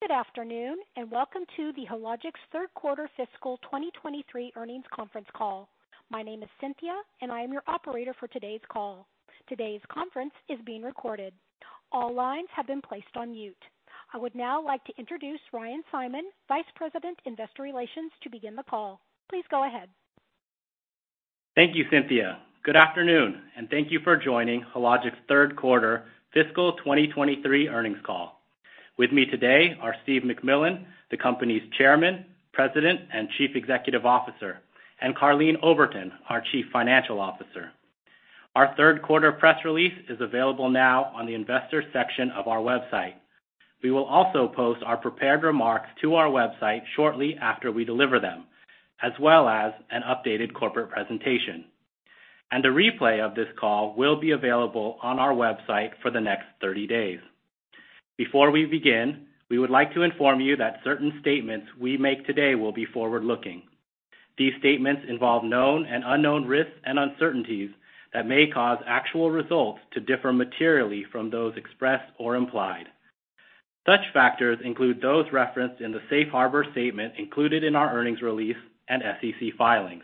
Good afternoon, welcome to the Hologic's third quarter fiscal 2023 earnings conference call. My name is Cynthia, I am your operator for today's call. Today's conference is being recorded. All lines have been placed on mute. I would now like to introduce Ryan Simon, Vice President, Investor Relations, to begin the call. Please go ahead. Thank you, Cynthia. Good afternoon, and thank you for joining Hologic's third quarter fiscal 2023 earnings call. With me today are Steve MacMillan, the company's Chairman, President, and Chief Executive Officer, and Karleen Oberton, our Chief Financial Officer. Our third quarter press release is available now on the investor section of our website. We will also post our prepared remarks to our website shortly after we deliver them, as well as an updated corporate presentation. A replay of this call will be available on our website for the next 30 days. Before we begin, we would like to inform you that certain statements we make today will be forward-looking. These statements involve known and unknown risks and uncertainties that may cause actual results to differ materially from those expressed or implied. Such factors include those referenced in the safe harbor statement included in our earnings release and SEC filings.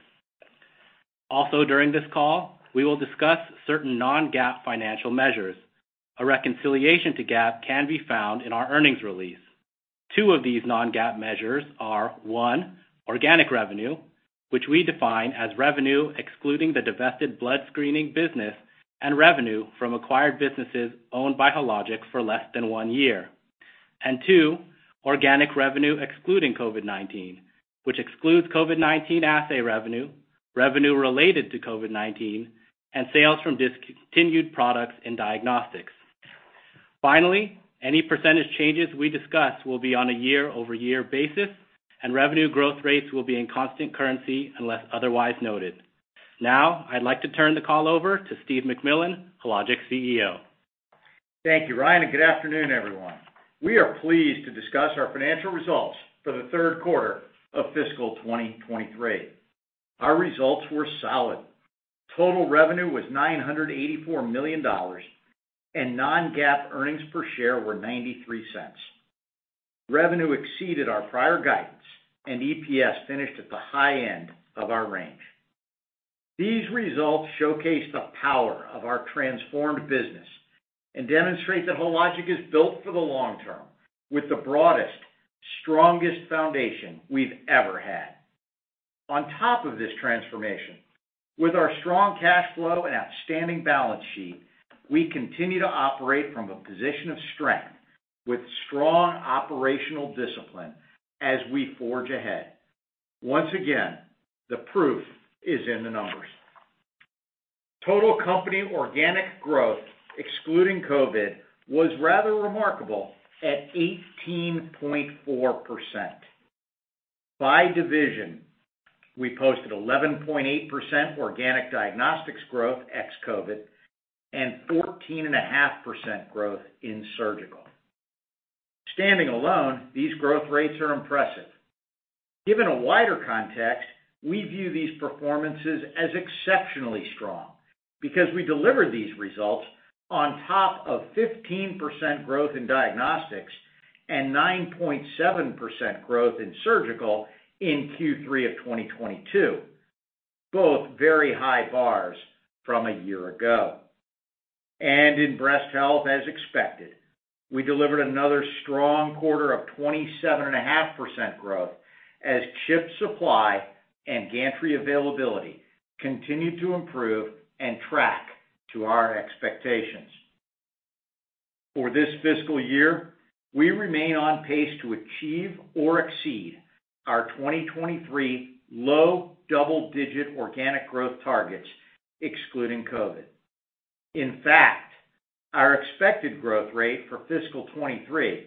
During this call, we will discuss certain non-GAAP financial measures. A reconciliation to GAAP can be found in our earnings release. Two of these non-GAAP measures are: one, organic revenue, which we define as revenue excluding the divested blood screening business and revenue from acquired businesses owned by Hologic for less than one year. Two, organic revenue excluding COVID-19, which excludes COVID-19 assay revenue, revenue related to COVID-19, and sales from discontinued products in Diagnostics. Any percentage changes we discuss will be on a year-over-year basis, and revenue growth rates will be in constant currency unless otherwise noted. I'd like to turn the call over to Steve MacMillan, Hologic's CEO. Thank you, Ryan. Good afternoon, everyone. We are pleased to discuss our financial results for the third quarter of fiscal 2023. Our results were solid. Total revenue was $984 million, and non-GAAP earnings per share were $0.93. Revenue exceeded our prior guidance, and EPS finished at the high end of our range. These results showcase the power of our transformed business and demonstrate that Hologic is built for the long term, with the broadest, strongest foundation we've ever had. On top of this transformation, with our strong cash flow and outstanding balance sheet, we continue to operate from a position of strength, with strong operational discipline as we forge ahead. Once again, the proof is in the numbers. Total company organic growth, excluding COVID, was rather remarkable at 18.4%. By division, we posted 11.8% organic Diagnostics growth ex-COVID, and 14.5% growth in Surgical. Standing alone, these growth rates are impressive. Given a wider context, we view these performances as exceptionally strong, because we delivered these results on top of 15% growth in Diagnostics and 9.7% growth in Surgical in Q3 of 2022, both very high bars from a year ago. In Breast Health, as expected, we delivered another strong quarter of 27.5% growth, as chip supply and gantry availability continued to improve and track to our expectations. For this fiscal year, we remain on pace to achieve or exceed our 2023 low double-digit organic growth targets, excluding COVID. In fact, our expected growth rate for fiscal 2023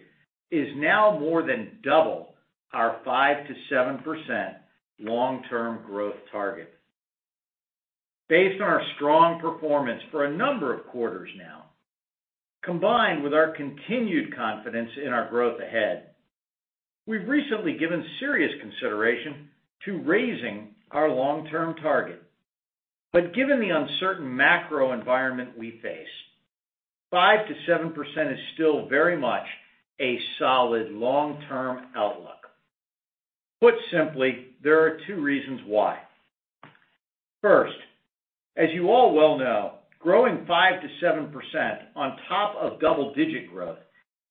is now more than double our 5%-7% long-term growth target. Based on our strong performance for a number of quarters now, combined with our continued confidence in our growth ahead, we've recently given serious consideration to raising our long-term target. Given the uncertain macro environment we face, 5%-7% is still very much a solid long-term outlook. Put simply, there are two reasons why. First, as you all well know, growing 5%-7% on top of double-digit growth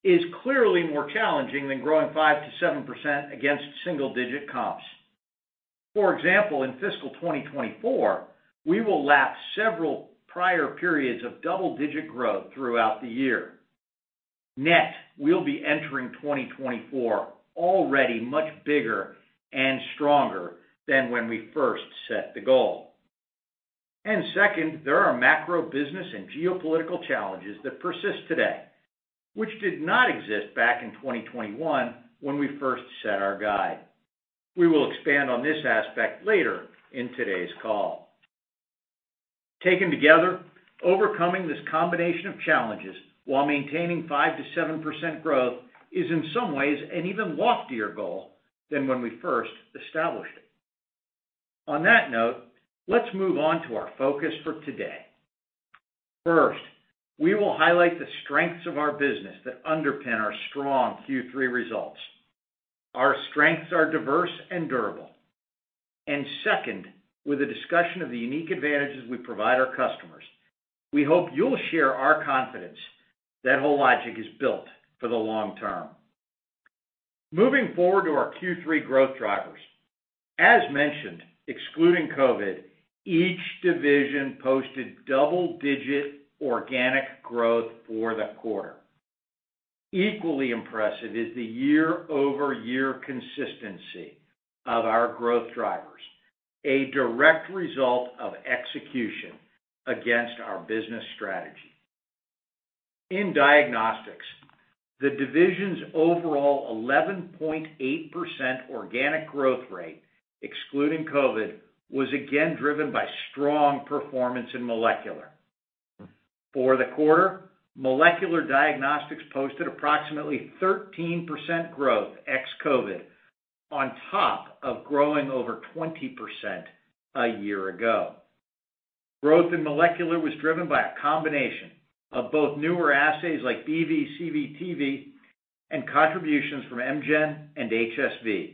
is clearly more challenging than growing 5%-7% against single digit comps. For example, in fiscal 2024, we will lap several prior periods of double-digit growth throughout the year. Net, we'll be entering 2024 already much bigger and stronger than when we first set the goal. Second, there are macro business and geopolitical challenges that persist today, which did not exist back in 2021 when we first set our guide. We will expand on this aspect later in today's call. Taken together, overcoming this combination of challenges while maintaining 5%-7% growth is in some ways an even loftier goal than when we first established it. On that note, let's move on to our focus for today. First, we will highlight the strengths of our business that underpin our strong Q3 results. Our strengths are diverse and durable. Second, with a discussion of the unique advantages we provide our customers, we hope you'll share our confidence that Hologic is built for the long term. Moving forward to our Q3 growth drivers. As mentioned, excluding COVID, each division posted double-digit organic growth for the quarter. Equally impressive is the year-over-year consistency of our growth drivers, a direct result of execution against our business strategy. In Diagnostics, the division's overall 11.8% organic growth rate, excluding COVID-19, was again driven by strong performance in molecular. For the quarter, Molecular Diagnostics posted approximately 13% growth ex-COVID-19, on top of growing over 20% a year ago. Growth in Molecular Diagnostics was driven by a combination of both newer assays like BV/CV, TV, and contributions from M. gen and HSV,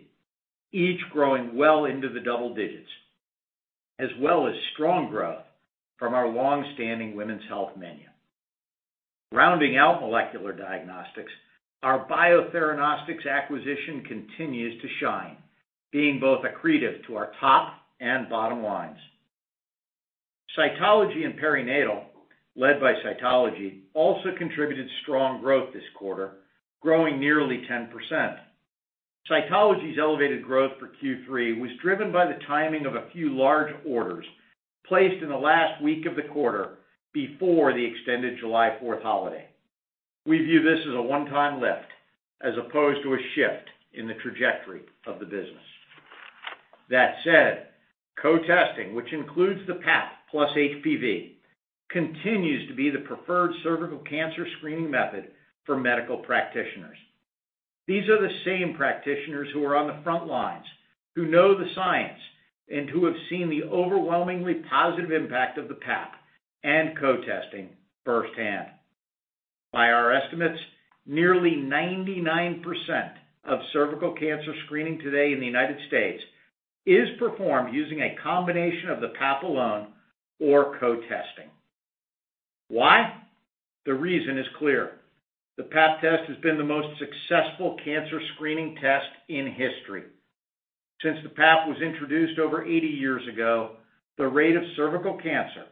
each growing well into the double digits, as well as strong growth from our long-standing women's health menu. Rounding out Molecular Diagnostics, our Biotheranostics acquisition continues to shine, being both accretive to our top and bottom lines. Cytology & Perinatal, led by Cytology, also contributed strong growth this quarter, growing nearly 10%. Cytology's elevated growth for Q3 was driven by the timing of a few large orders placed in the last week of the quarter before the extended July 4th holiday. We view this as a one-time lift as opposed to a shift in the trajectory of the business. That said, co-testing, which includes the Pap plus HPV, continues to be the preferred cervical cancer screening method for medical practitioners. These are the same practitioners who are on the front lines, who know the science, and who have seen the overwhelmingly positive impact of the Pap and co-testing firsthand. By our estimates, nearly 99% of cervical cancer screening today in the United States is performed using a combination of the Pap alone or co-testing. Why? The reason is clear: the Pap test has been the most successful cancer screening test in history. Since the Pap was introduced over 80 years ago, the rate of cervical cancer,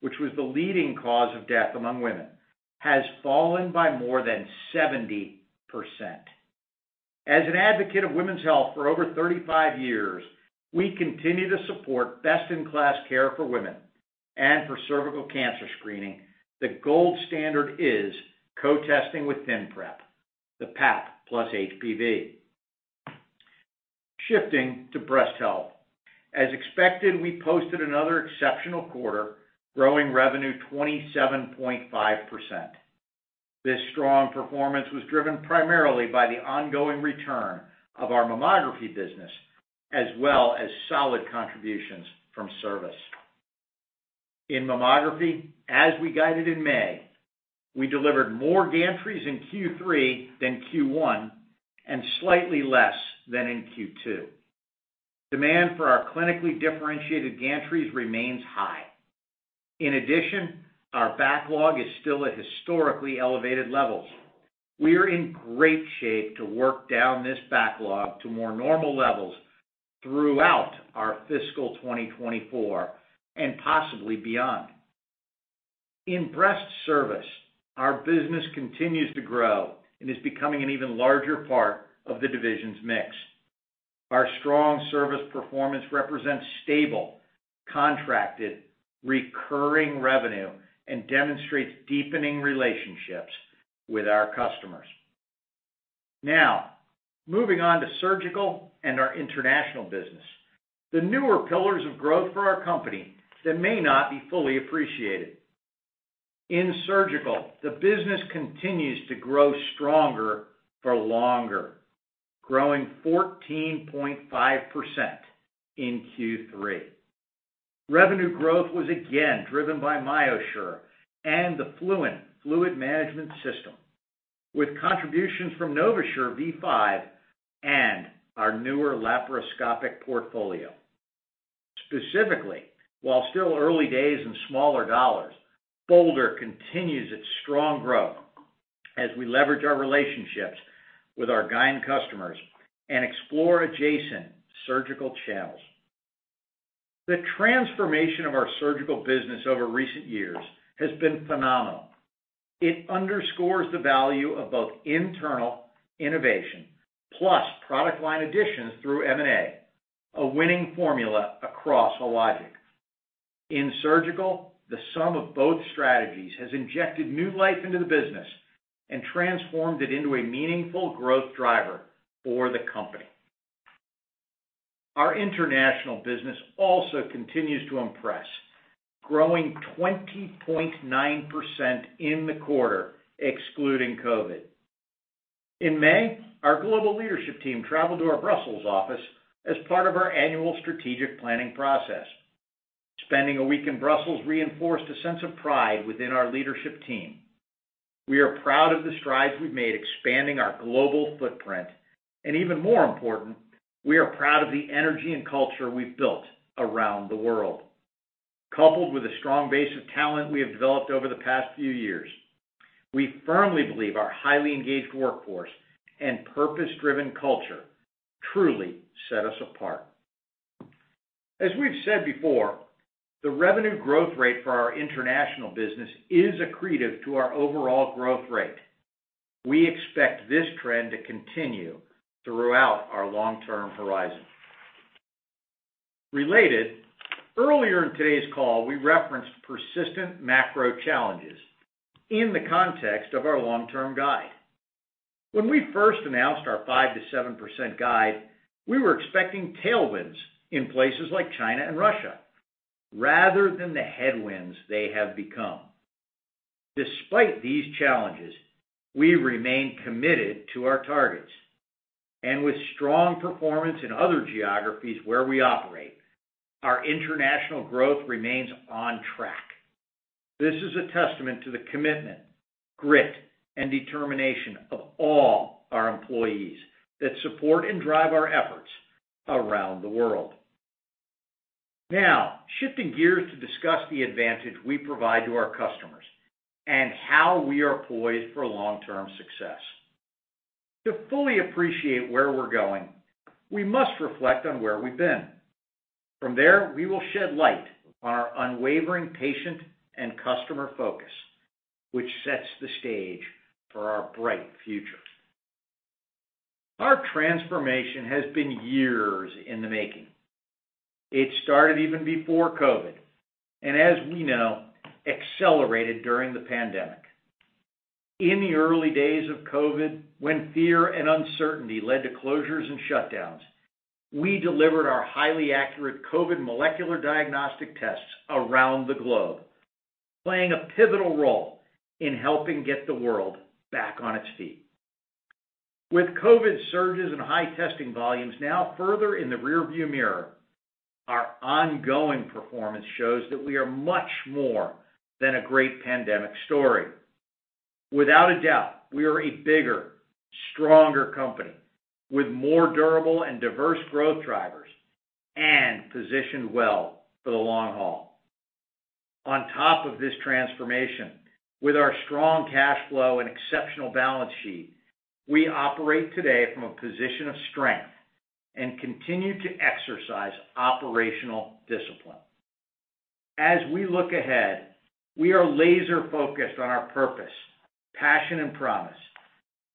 which was the leading cause of death among women, has fallen by more than 70%. As an advocate of women's health for over 35 years, we continue to support best-in-class care for women, and for cervical cancer screening, the gold standard is co-testing with ThinPrep, the Pap plus HPV. Shifting to Breast Health. As expected, we posted another exceptional quarter, growing revenue 27.5%. This strong performance was driven primarily by the ongoing return of our Mammography business, as well as solid contributions from service. In Mammography, as we guided in May, we delivered more gantries in Q3 than Q1 and slightly less than in Q2. Demand for our clinically differentiated gantries remains high. In addition, our backlog is still at historically elevated levels. We are in great shape to work down this backlog to more normal levels throughout our fiscal 2024, and possibly beyond. In Breast Service, our business continues to grow and is becoming an even larger part of the division's mix. Our strong service performance represents stable, contracted, recurring revenue and demonstrates deepening relationships with our customers. Now, moving on to Surgical and our international business, the newer pillars of growth for our company that may not be fully appreciated. In Surgical, the business continues to grow stronger for longer, growing 14.5% in Q3. Revenue growth was again driven by MyoSure and the Fluent Fluid Management System, with contributions from NovaSure V5 and our newer laparoscopic portfolio. Specifically, while still early days in smaller dollars, Bolder continues its strong growth as we leverage our relationships with our GYN customers and explore adjacent surgical channels. The transformation of our Surgical business over recent years has been phenomenal. It underscores the value of both internal innovation plus product line additions through M&A, a winning formula across Hologic. In Surgical, the sum of both strategies has injected new life into the business and transformed it into a meaningful growth driver for the company. Our international business also continues to impress, growing 20.9% in the quarter, excluding COVID. In May, our global leadership team traveled to our Brussels office as part of our annual strategic planning process. Spending a week in Brussels reinforced a sense of pride within our leadership team. We are proud of the strides we've made expanding our global footprint, and even more important, we are proud of the energy and culture we've built around the world. Coupled with a strong base of talent we have developed over the past few years, we firmly believe our highly engaged workforce and purpose-driven culture truly set us apart. As we've said before, the revenue growth rate for our international business is accretive to our overall growth rate. We expect this trend to continue throughout our long-term horizon. Related, earlier in today's call, we referenced persistent macro challenges in the context of our long-term guide. When we first announced our 5%-7% guide, we were expecting tailwinds in places like China and Russia, rather than the headwinds they have become. Despite these challenges, we remain committed to our targets. With strong performance in other geographies where we operate, our international growth remains on track. This is a testament to the commitment, grit, and determination of all our employees that support and drive our efforts around the world. Shifting gears to discuss the advantage we provide to our customers and how we are poised for long-term success. To fully appreciate where we're going, we must reflect on where we've been. There, we will shed light on our unwavering patient and customer focus, which sets the stage for our bright future. Our transformation has been years in the making. It started even before COVID, and as we know, accelerated during the pandemic. In the early days of COVID, when fear and uncertainty led to closures and shutdowns, we delivered our highly accurate COVID molecular diagnostic tests around the globe, playing a pivotal role in helping get the world back on its feet. With COVID surges and high testing volumes now further in the rearview mirror, our ongoing performance shows that we are much more than a great pandemic story. Without a doubt, we are a bigger, stronger company with more durable and diverse growth drivers and positioned well for the long haul. On top of this transformation, with our strong cash flow and exceptional balance sheet, we operate today from a position of strength and continue to exercise operational discipline. As we look ahead, we are laser-focused on our purpose, passion, and promise,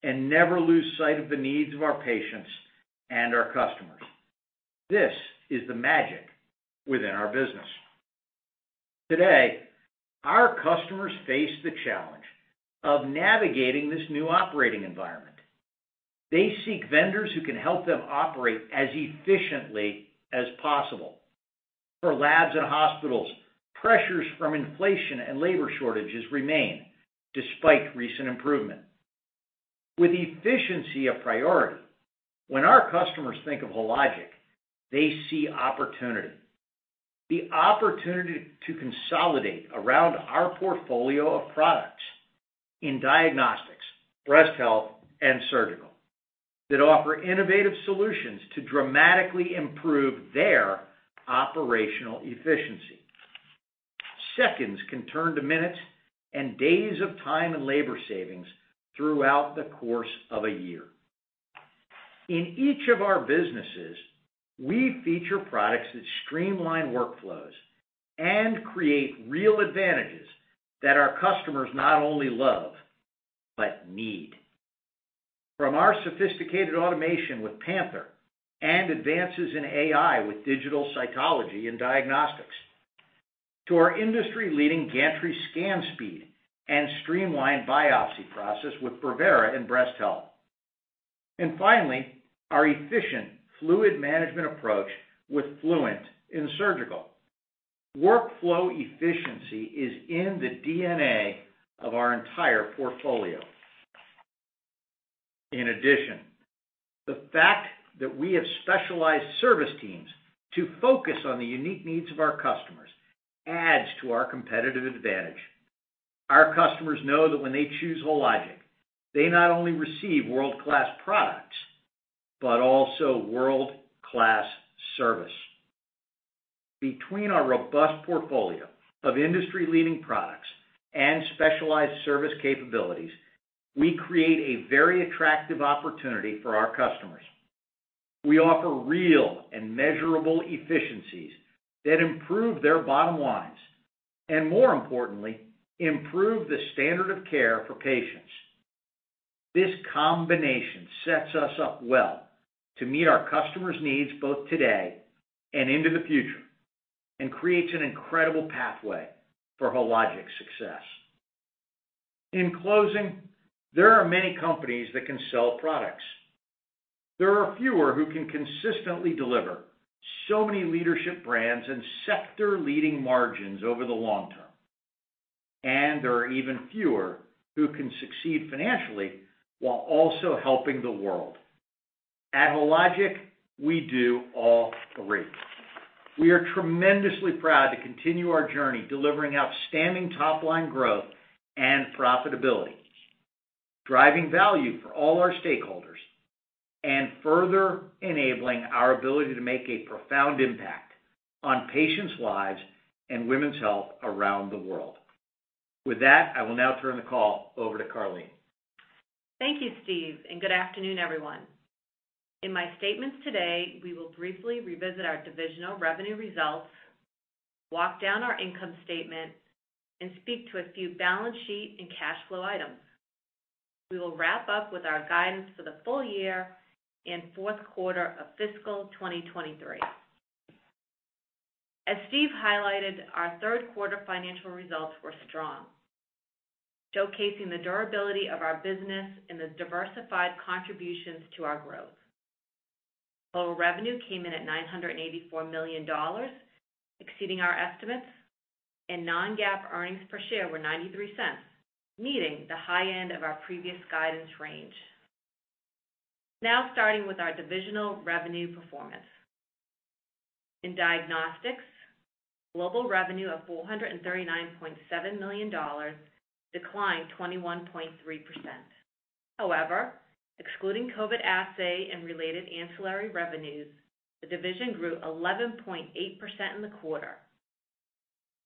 and never lose sight of the needs of our patients and our customers. This is the magic within our business. Today, our customers face the challenge of navigating this new operating environment. They seek vendors who can help them operate as efficiently as possible. For labs and hospitals, pressures from inflation and labor shortages remain despite recent improvement. With efficiency a priority, when our customers think of Hologic, they see opportunity. The opportunity to consolidate around our portfolio of products in Diagnostics, Breast Health, and GYN Surgical, that offer innovative solutions to dramatically improve their operational efficiency. Seconds can turn to minutes and days of time and labor savings throughout the course of a year. In each of our businesses, we feature products that streamline workflows and create real advantages that our customers not only love, but need. From our sophisticated automation with Panther and advances in AI with digital cytology and diagnostics, to our industry-leading gantry scan speed and streamlined biopsy process with Brevera and Breast Health. Finally, our efficient fluid management approach with Fluent in GYN Surgical. Workflow efficiency is in the DNA of our entire portfolio. In addition, the fact that we have specialized service teams to focus on the unique needs of our customers adds to our competitive advantage. Our customers know that when they choose Hologic, they not only receive world-class products, but also world-class service. Between our robust portfolio of industry-leading products and specialized service capabilities, we create a very attractive opportunity for our customers. We offer real and measurable efficiencies that improve their bottom lines, and more importantly, improve the standard of care for patients. This combination sets us up well to meet our customers' needs, both today and into the future, and creates an incredible pathway for Hologic's success. In closing, there are many companies that can sell products. There are fewer who can consistently deliver so many leadership brands and sector-leading margins over the long term. There are even fewer who can succeed financially while also helping the world. At Hologic, we do all three. We are tremendously proud to continue our journey, delivering outstanding top-line growth and profitability, driving value for all our stakeholders, and further enabling our ability to make a profound impact on patients' lives and women's health around the world. With that, I will now turn the call over to Karleen. Thank you, Steve. Good afternoon, everyone. In my statements today, we will briefly revisit our divisional revenue results, walk down our income statement, and speak to a few balance sheet and cash flow items. We will wrap up with our guidance for the full year and fourth quarter of fiscal 2023. As Steve highlighted, our third quarter financial results were strong, showcasing the durability of our business and the diversified contributions to our growth. Total revenue came in at $984 million, exceeding our estimates, and non-GAAP earnings per share were $0.93, meeting the high end of our previous guidance range. Starting with our divisional revenue performance. In Diagnostics, global revenue of $439.7 million declined 21.3%. However, excluding COVID assay and related ancillary revenues, the division grew 11.8% in the quarter.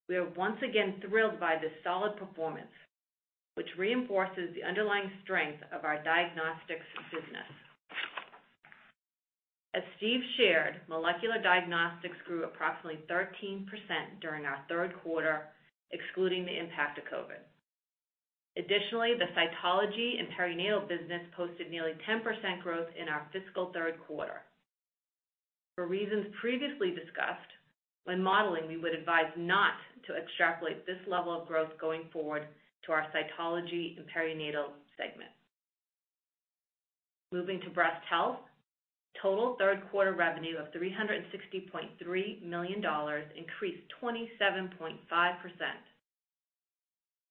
We are once again thrilled by this solid performance, which reinforces the underlying strength of our Diagnostics business. As Steve shared, Molecular Diagnostics grew approximately 13% during our third quarter, excluding the impact of COVID. Additionally, the Cytology & Perinatal business posted nearly 10% growth in our fiscal third quarter. For reasons previously discussed, when modeling, we would advise not to extrapolate this level of growth going forward to our Cytology & Perinatal segment. Moving to Breast Health, total third quarter revenue of $360.3 million increased 27.5%.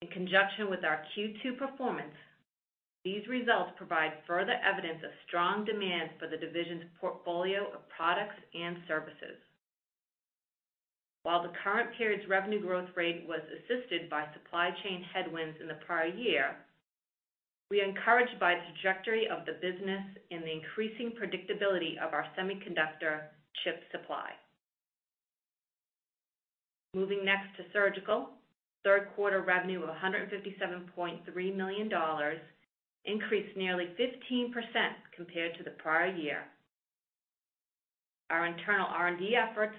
In conjunction with our Q2 performance, these results provide further evidence of strong demand for the division's portfolio of products and services. While the current period's revenue growth rate was assisted by supply chain headwinds in the prior year, we are encouraged by the trajectory of the business and the increasing predictability of our semiconductor chip supply. Moving next to Surgical. Third quarter revenue of $157.3 million increased nearly 15% compared to the prior year. Our internal R&D efforts,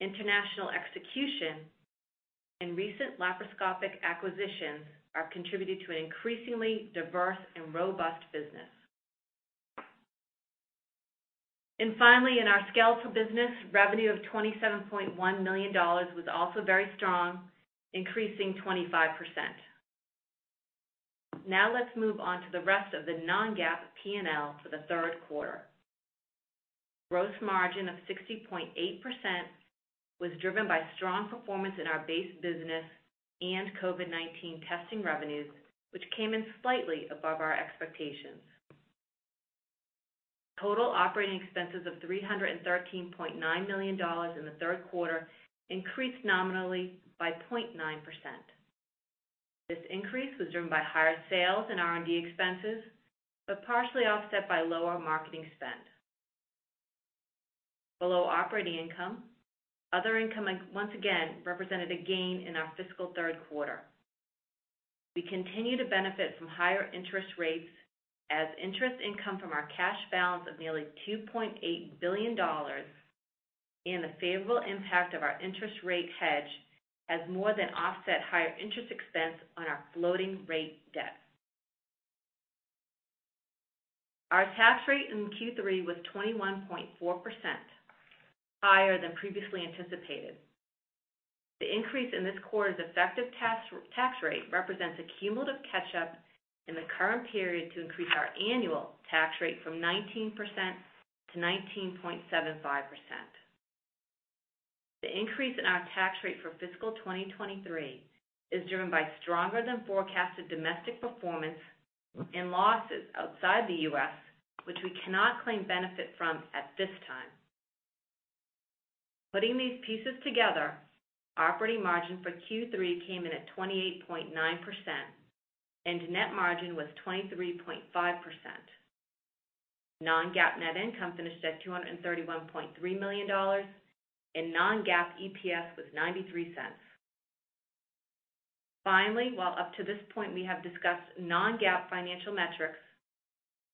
international execution, and recent laparoscopic acquisitions are contributing to an increasingly diverse and robust business. Finally, in our Skeletal Health business, revenue of $27.1 million was also very strong, increasing 25%. Now let's move on to the rest of the non-GAAP P&L for the third quarter. Gross margin of 60.8% was driven by strong performance in our base business and COVID-19 testing revenues, which came in slightly above our expectations. Total operating expenses of $313.9 million in the third quarter increased nominally by 0.9%. This increase was driven by higher sales and R&D expenses, but partially offset by lower marketing spend. Below operating income, other income, once again, represented a gain in our fiscal third quarter. We continue to benefit from higher interest rates as interest income from our cash balance of nearly $2.8 billion and the favorable impact of our interest rate hedge has more than offset higher interest expense on our floating rate debt. Our tax rate in Q3 was 21.4%, higher than previously anticipated. The increase in this quarter's effective tax rate represents a cumulative catch-up in the current period to increase our annual tax rate from 19% to 19.75%. The increase in our tax rate for fiscal 2023 is driven by stronger than forecasted domestic performance and losses outside the U.S., which we cannot claim benefit from at this time. Putting these pieces together, operating margin for Q3 came in at 28.9%, and net margin was 23.5%. Non-GAAP net income finished at $231.3 million, and non-GAAP EPS was $0.93. Finally, while up to this point, we have discussed non-GAAP financial metrics,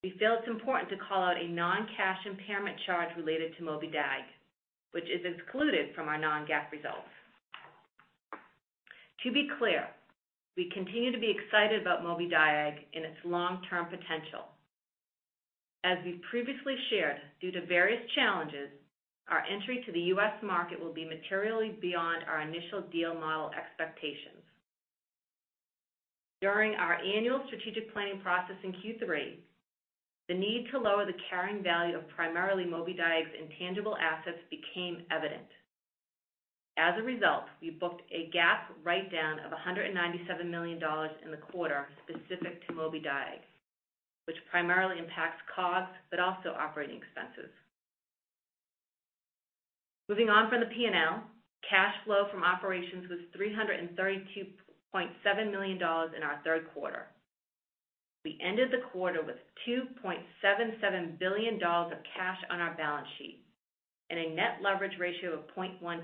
we feel it's important to call out a non-cash impairment charge related to Mobidiag, which is excluded from our non-GAAP results. To be clear, we continue to be excited about Mobidiag and its long-term potential. As we've previously shared, due to various challenges, our entry to the U.S. market will be materially beyond our initial deal model expectations. During our annual strategic planning process in Q3, the need to lower the carrying value of primarily Mobidiag's intangible assets became evident. As a result, we booked a GAAP write-down of $197 million in the quarter specific to Mobidiag, which primarily impacts costs, but also operating expenses. Moving on from the P&L, cash flow from operations was $332.7 million in our third quarter. We ended the quarter with $2.77 billion of cash on our balance sheet and a net leverage ratio of 0.1x.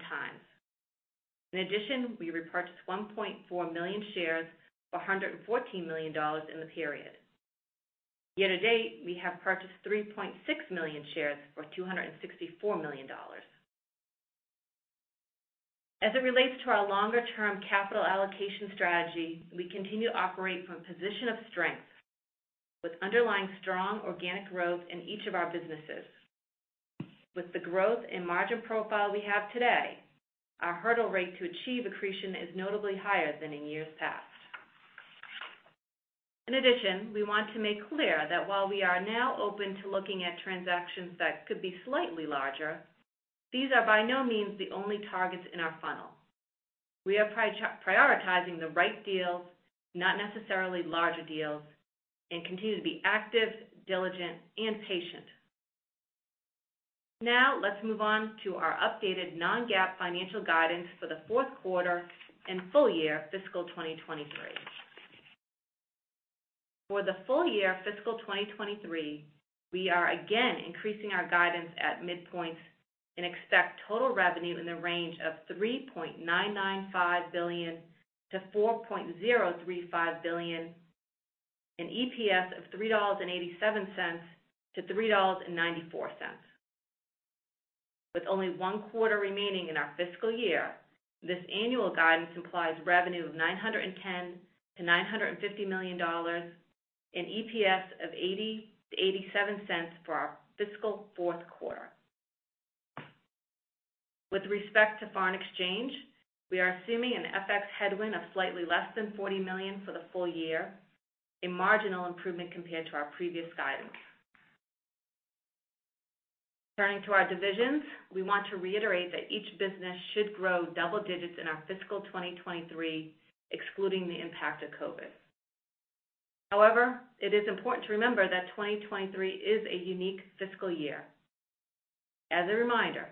In addition, we repurchased 1.4 million shares for $114 million in the period. Year-to-date, we have purchased 3.6 million shares for $264 million. As it relates to our longer-term capital allocation strategy, we continue to operate from a position of strength, with underlying strong organic growth in each of our businesses. With the growth and margin profile we have today, our hurdle rate to achieve accretion is notably higher than in years past. In addition, we want to make clear that while we are now open to looking at transactions that could be slightly larger, these are by no means the only targets in our funnel. We are prioritizing the right deals, not necessarily larger deals, and continue to be active, diligent and patient. Now, let's move on to our updated non-GAAP financial guidance for the fourth quarter and full year, fiscal 2023. For the full year fiscal 2023, we are again increasing our guidance at midpoints and expect total revenue in the range of $3.995 billion-$4.035 billion, and EPS of $3.87-$3.94. With only one quarter remaining in our fiscal year, this annual guidance implies revenue of $910 million-$950 million and EPS of $0.80-$0.87 for our fiscal fourth quarter. With respect to foreign exchange, we are assuming an FX headwind of slightly less than $40 million for the full year, a marginal improvement compared to our previous guidance. Turning to our divisions, we want to reiterate that each business should grow double digits in our fiscal 2023, excluding the impact of COVID. However, it is important to remember that 2023 is a unique fiscal year. As a reminder,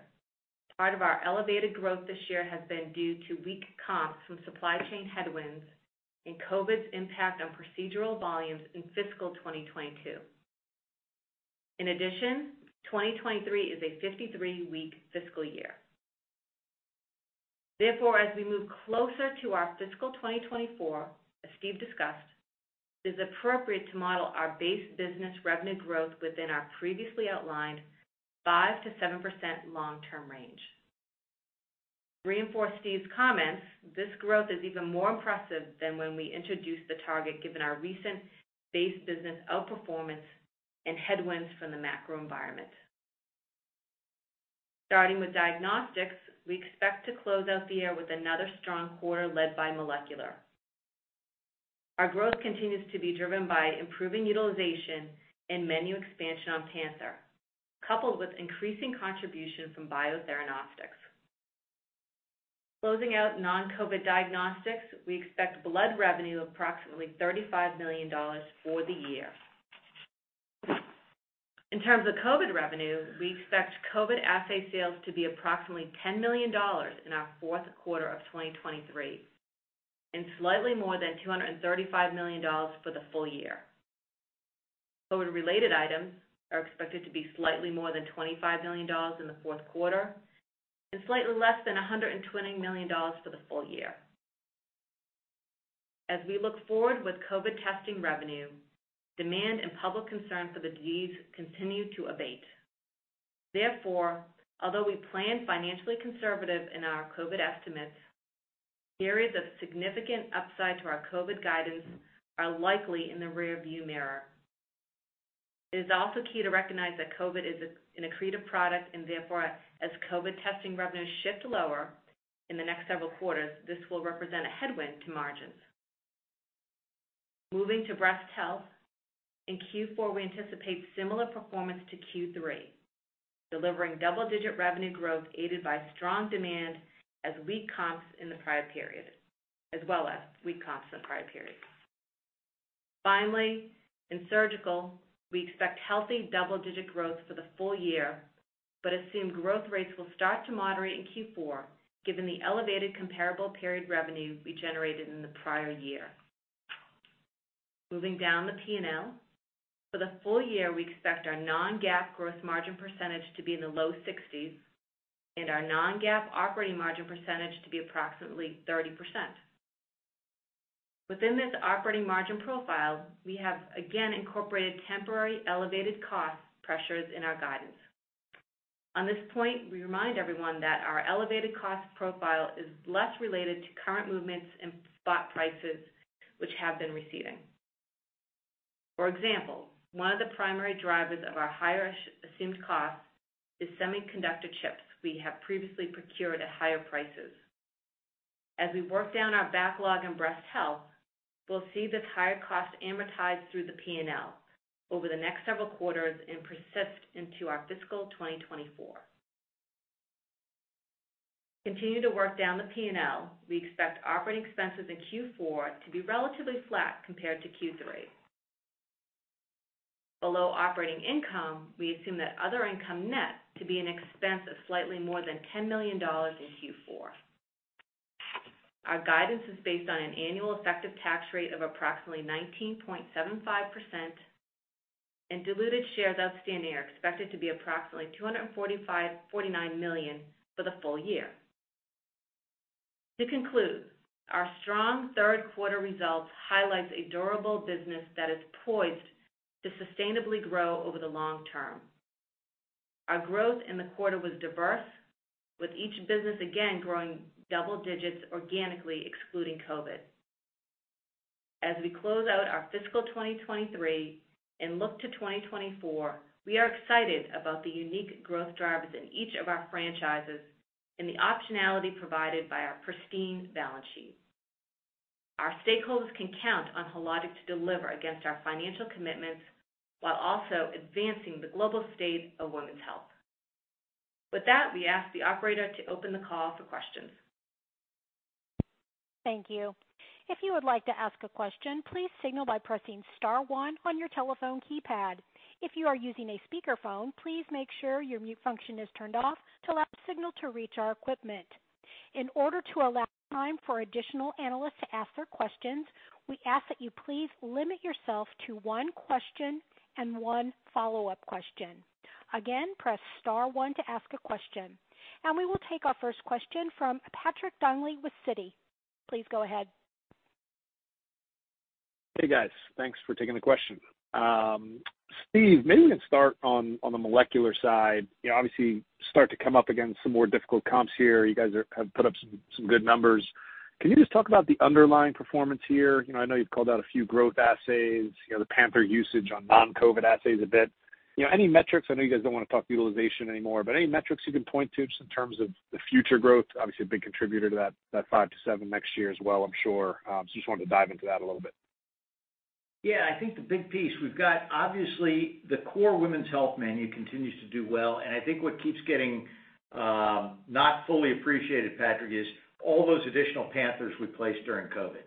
part of our elevated growth this year has been due to weak comps from supply chain headwinds and COVID's impact on procedural volumes in fiscal 2022. In addition, 2023 is a 53-week fiscal year. Therefore, as we move closer to our fiscal 2024, as Steve discussed, it is appropriate to model our base business revenue growth within our previously outlined 5%-7% long-term range. To reinforce Steve's comments, this growth is even more impressive than when we introduced the target, given our recent base business outperformance and headwinds from the macro environment. Starting with Diagnostics, we expect to close out the year with another strong quarter led by molecular. Our growth continues to be driven by improving utilization and menu expansion on Panther, coupled with increasing contribution from Biotheranostics. Closing out non-COVID Diagnostics, we expect blood revenue of approximately $35 million for the year. In terms of COVID revenue, we expect COVID assay sales to be approximately $10 million in our fourth quarter of 2023, and slightly more than $235 million for the full year. COVID-related items are expected to be slightly more than $25 million in the fourth quarter and slightly less than $120 million for the full year. As we look forward with COVID testing revenue, demand and public concern for the disease continue to abate. Therefore, although we plan financially conservative in our COVID estimates, periods of significant upside to our COVID guidance are likely in the rearview mirror. It is also key to recognize that COVID is an accretive product, and therefore, as COVID testing revenues shift lower in the next several quarters, this will represent a headwind to margins. Moving to Breast Health. In Q4, we anticipate similar performance to Q3, delivering double-digit revenue growth, aided by strong demand as weak comps in the prior period, as well as weak comps in the prior period. Finally, in Surgical, we expect healthy double-digit growth for the full year, but assumed growth rates will start to moderate in Q4, given the elevated comparable period revenue we generated in the prior year. Moving down the P&L. For the full year, we expect our non-GAAP gross margin percentage to be in the low 60% and our non-GAAP operating margin percentage to be approximately 30%. Within this operating margin profile, we have again incorporated temporary elevated cost pressures in our guidance. On this point, we remind everyone that our elevated cost profile is less related to current movements in spot prices, which have been receding. For example, one of the primary drivers of our higher assumed costs is semiconductor chips we have previously procured at higher prices. As we work down our backlog in Breast Health, we'll see this higher cost amortized through the P&L over the next several quarters and persist into our fiscal 2024. We expect operating expenses in Q4 to be relatively flat compared to Q3. Below operating income, we assume that other income net to be an expense of slightly more than $10 million in Q4. Our guidance is based on an annual effective tax rate of approximately 19.75%, and diluted shares outstanding are expected to be approximately 245.49 million for the full year. To conclude, our strong third quarter results highlights a durable business that is poised to sustainably grow over the long term. Our growth in the quarter was diverse, with each business again growing double digits organically, excluding COVID. As we close out our fiscal 2023 and look to 2024, we are excited about the unique growth drivers in each of our franchises and the optionality provided by our pristine balance sheet. Our stakeholders can count on Hologic to deliver against our financial commitments while also advancing the global state of women's health. With that, we ask the operator to open the call for questions. Thank you. If you would like to ask a question, please signal by pressing star one on your telephone keypad. If you are using a speakerphone, please make sure your mute function is turned off to allow signal to reach our equipment. In order to allow time for additional analysts to ask their questions, we ask that you please limit yourself to one question and one follow-up question. Again, press star one to ask a question. We will take our first question from Patrick Donnelly with Citigroup. Please go ahead. Hey, guys. Thanks for taking the question. Steve, maybe we can start on, on the molecular side. You know, obviously, start to come up against some more difficult comps here. You guys have put up some, some good numbers. Can you just talk about the underlying performance here? You know, I know you've called out a few growth assays, you know, the Panther usage on non-COVID assays a bit. You know, any metrics, I know you guys don't want to talk utilization anymore, but any metrics you can point to just in terms of the future growth? Obviously, a big contributor to that, that 5%-7% next year as well, I'm sure. Just wanted to dive into that a little bit. Yeah, I think the big piece we've got, obviously, the core women's health menu continues to do well, and I think what keeps getting, not fully appreciated, Patrick, is all those additional Panthers we placed during COVID-19.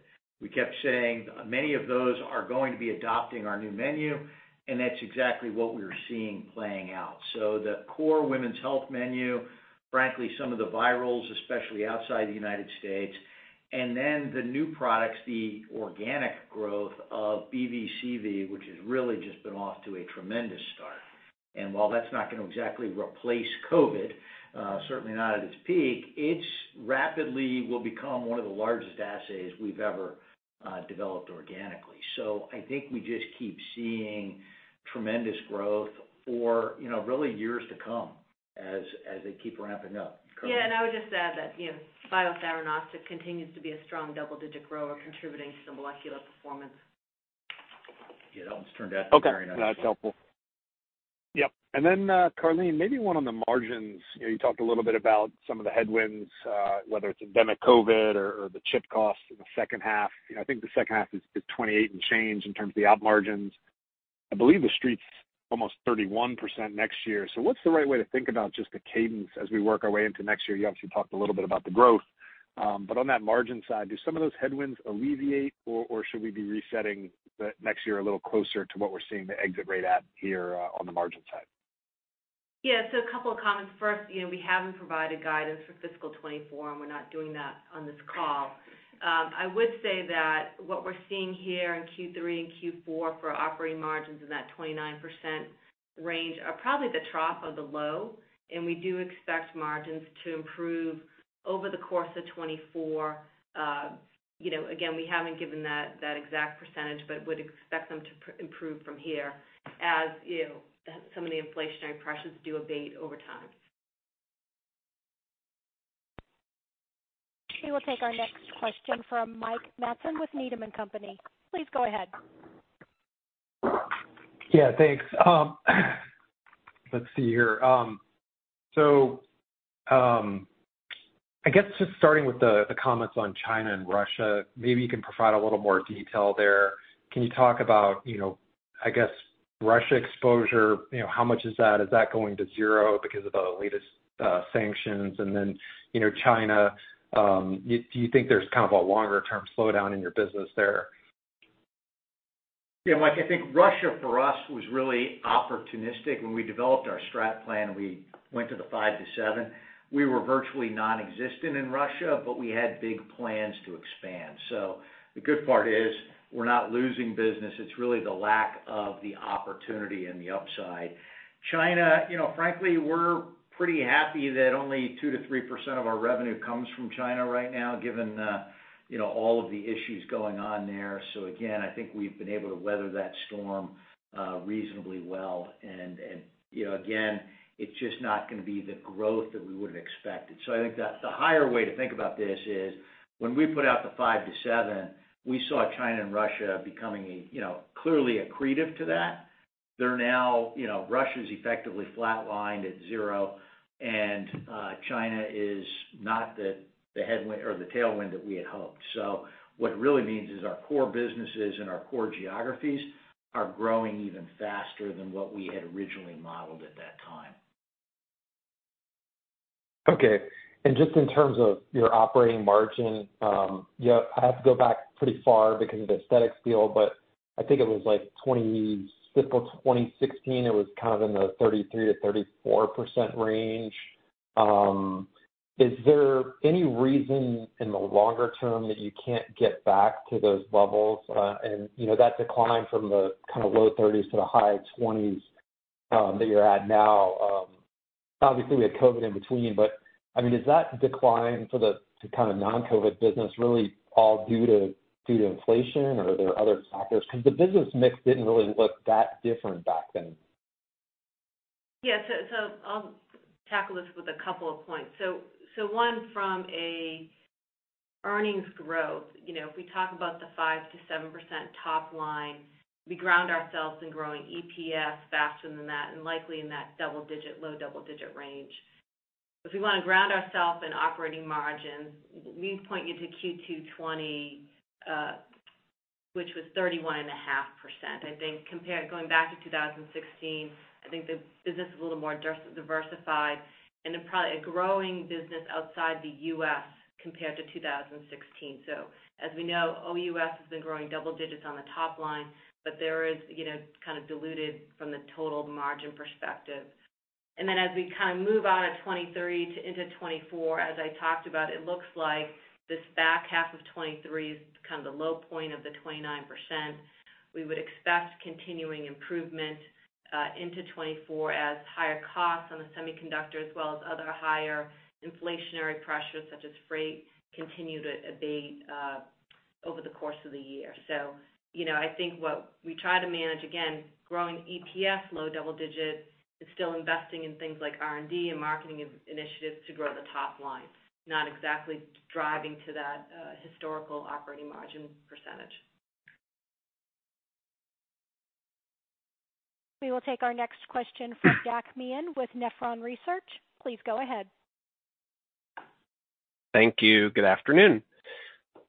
We kept saying many of those are going to be adopting our new menu, and that's exactly what we're seeing playing out. The core women's health menu, frankly, some of the virals, especially outside the United States, and then the new products, the organic growth of BV/CV, which has really just been off to a tremendous start. While that's not going to exactly replace COVID-19, certainly not at its peak, it's rapidly will become one of the largest assays we've ever developed organically. I think we just keep seeing tremendous growth for, you know, really years to come as, as they keep ramping up. I would just add that, you know, Biotheranostics continues to be a strong double-digit grower, contributing to the molecular performance. Yeah, that was turned out very nice. Okay, that's helpful. Yep. Then, Karleen, maybe one on the margins. You know, you talked a little bit about some of the headwinds, whether it's endemic COVID or the chip costs in the second half. You know, I think the second half is 28% and change in terms of the op margins. I believe the street's almost 31% next year. What's the right way to think about just the cadence as we work our way into next year? You obviously talked a little bit about the growth, but on that margin side, do some of those headwinds alleviate, or should we be resetting the next year a little closer to what we're seeing the exit rate at here on the margin side? A couple of comments. First, you know, we haven't provided guidance for fiscal 2024, and we're not doing that on this call. I would say that what we're seeing here in Q3 and Q4 for operating margins in that 29% range are probably the trough of the low, and we do expect margins to improve over the course of 2024. You know, again, we haven't given that, that exact percentage, but would expect them to improve from here, as, you know, some of the inflationary pressures do abate over time. We will take our next question from Mike Matson with Needham & Company. Please go ahead. Yeah, thanks. Let's see here. I guess just starting with the comments on China and Russia, maybe you can provide a little more detail there. Can you talk about, you know, I guess, Russia exposure? You know, how much is that? Is that going to zero because of the latest sanctions? China, do you think there's kind of a longer-term slowdown in your business there? Yeah, Mike, I think Russia, for us, was really opportunistic. When we developed our strat plan, we went to the 5%-7%. We were virtually nonexistent in Russia, but we had big plans to expand. The good part is we're not losing business. It's really the lack of the opportunity and the upside. China, you know, frankly, we're pretty happy that only 2%-3% of our revenue comes from China right now, given the, you know, all of the issues going on there. Again, I think we've been able to weather that storm reasonably well. And, you know, again, it's just not gonna be the growth that we would have expected. I think the, the higher way to think about this is, when we put out the 5%-7%, we saw China and Russia becoming, you know, clearly accretive to that. You know, Russia's effectively flatlined at 0%. China is not the, the headwind or the tailwind that we had hoped. What it really means is our core businesses and our core geographies are growing even faster than what we had originally modeled at that time. Okay. Just in terms of your operating margin, yeah, I have to go back pretty far because of the aesthetics deal, but I think it was like fiscal 2016, it was kind of in the 33%-34% range. Is there any reason in the longer term that you can't get back to those levels? You know, that decline from the kind of low 30% to the high 20% that you're at now, obviously, we had COVID in between, but, I mean, does that decline for the non-COVID business, really all due to, due to inflation, or are there other factors? Because the business mix didn't really look that different back then. Yeah. I'll tackle this with a couple of points. One, from a earnings growth, you know, if we talk about the 5%-7% top line, we ground ourselves in growing EPS faster than that, and likely in that low double-digit range. If we wanna ground ourselves in operating margins, we'd point you to Q2 2020, which was 31.5%. I think going back to 2016, I think the business is a little more diversified and then probably a growing business outside the U.S. compared to 2016. As we know, OUS has been growing double digits on the top line, but there is, you know, kind of diluted from the total margin perspective. As we kind of move out of 2023 to into 2024, as I talked about, it looks like this back half of 2023 is kind of the low point of the 29%. We would expect continuing improvement into 2024 as higher costs on the semiconductor, as well as other higher inflationary pressures, such as freight, continue to abate over the course of the year. You know, I think what we try to manage, again, growing EPS, low double digit, is still investing in things like R&D and marketing initiatives to grow the top line. Not exactly driving to that historical operating margin percentage. We will take our next question from Jack Meehan with Nephron Research. Please go ahead. Thank you. Good afternoon.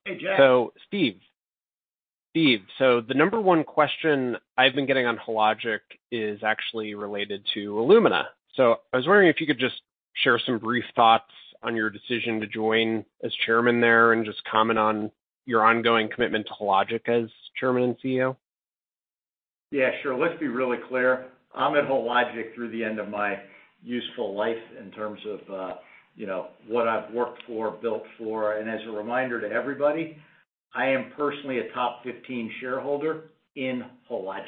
Hey, Jack. Steve, Steve, the number one question I've been getting on Hologic is actually related to Illumina. I was wondering if you could just share some brief thoughts on your decision to join as Chairman there, and just comment on your ongoing commitment to Hologic as Chairman and CEO. Yeah, sure. Let's be really clear. I'm at Hologic through the end of my useful life in terms of, you know, what I've worked for, built for. As a reminder to everybody, I am personally a top 15 shareholder in Hologic.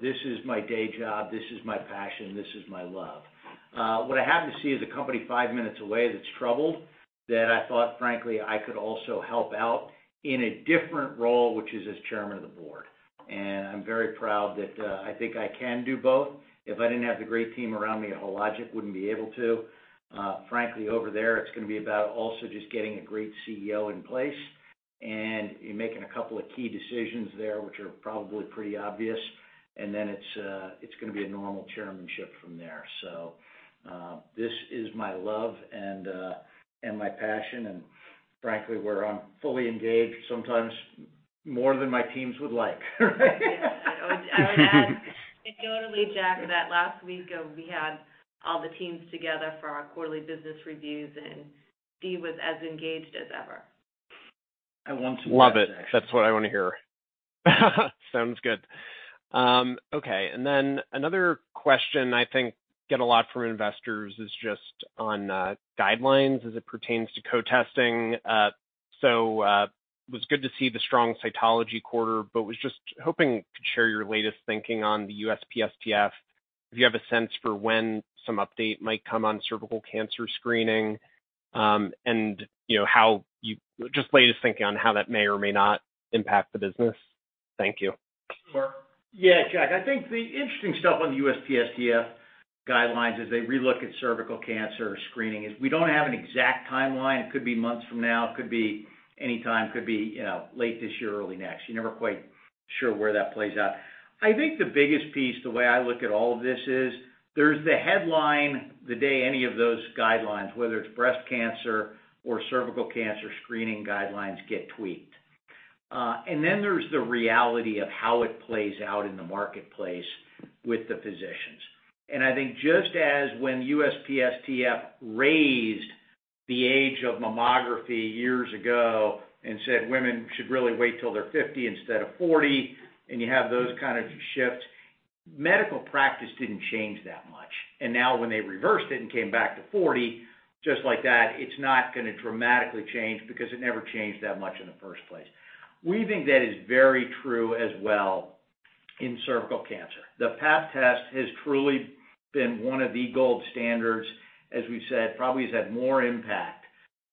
This is my day job, this is my passion, this is my love. What I have to see is a company five minutes away that's troubled, that I thought, frankly, I could also help out in a different role, which is as Chairman of the Board. I'm very proud that I think I can do both. If I didn't have the great team around me at Hologic, wouldn't be able to. Frankly, over there, it's gonna be about also just getting a great CEO in place and making a couple of key decisions there, which are probably pretty obvious. Then it's, it's gonna be a normal chairmanship from there. This is my love and, and my passion, and frankly, where I'm fully engaged, sometimes more than my teams would like. Yeah. I would, I would add anecdotally, Jack, that last week, we had all the teams together for our quarterly business reviews, and Steve was as engaged as ever. I want to be engaged. Love it. That's what I want to hear. Sounds good. Okay, then another question I think I get a lot from investors is just on guidelines as it pertains to co-testing. It was good to see the strong cytology quarter, but was just hoping you could share your latest thinking on the USPSTF. Do you have a sense for when some update might come on cervical cancer screening? You know, just latest thinking on how that may or may not impact the business. Thank you. Sure. Yeah, Jack, I think the interesting stuff on the USPSTF guidelines as they relook at cervical cancer screening, is we don't have an exact timeline. It could be months from now, it could be any time, could be, you know, late this year or early next. You're never quite sure where that plays out. I think the biggest piece, the way I look at all of this is, there's the headline, the day any of those guidelines, whether it's breast cancer or cervical cancer screening guidelines, get tweaked. Then there's the reality of how it plays out in the marketplace with the physicians. I think just as when USPSTF raised the age of mammography years ago and said women should really wait till they're 50 instead of 40, and you have those kind of shifts, medical practice didn't change that much. Now when they reversed it and came back to 40, just like that, it's not gonna dramatically change because it never changed that much in the first place. We think that is very true as well in cervical cancer. The Pap test has truly been one of the gold standards, as we've said, probably has had more impact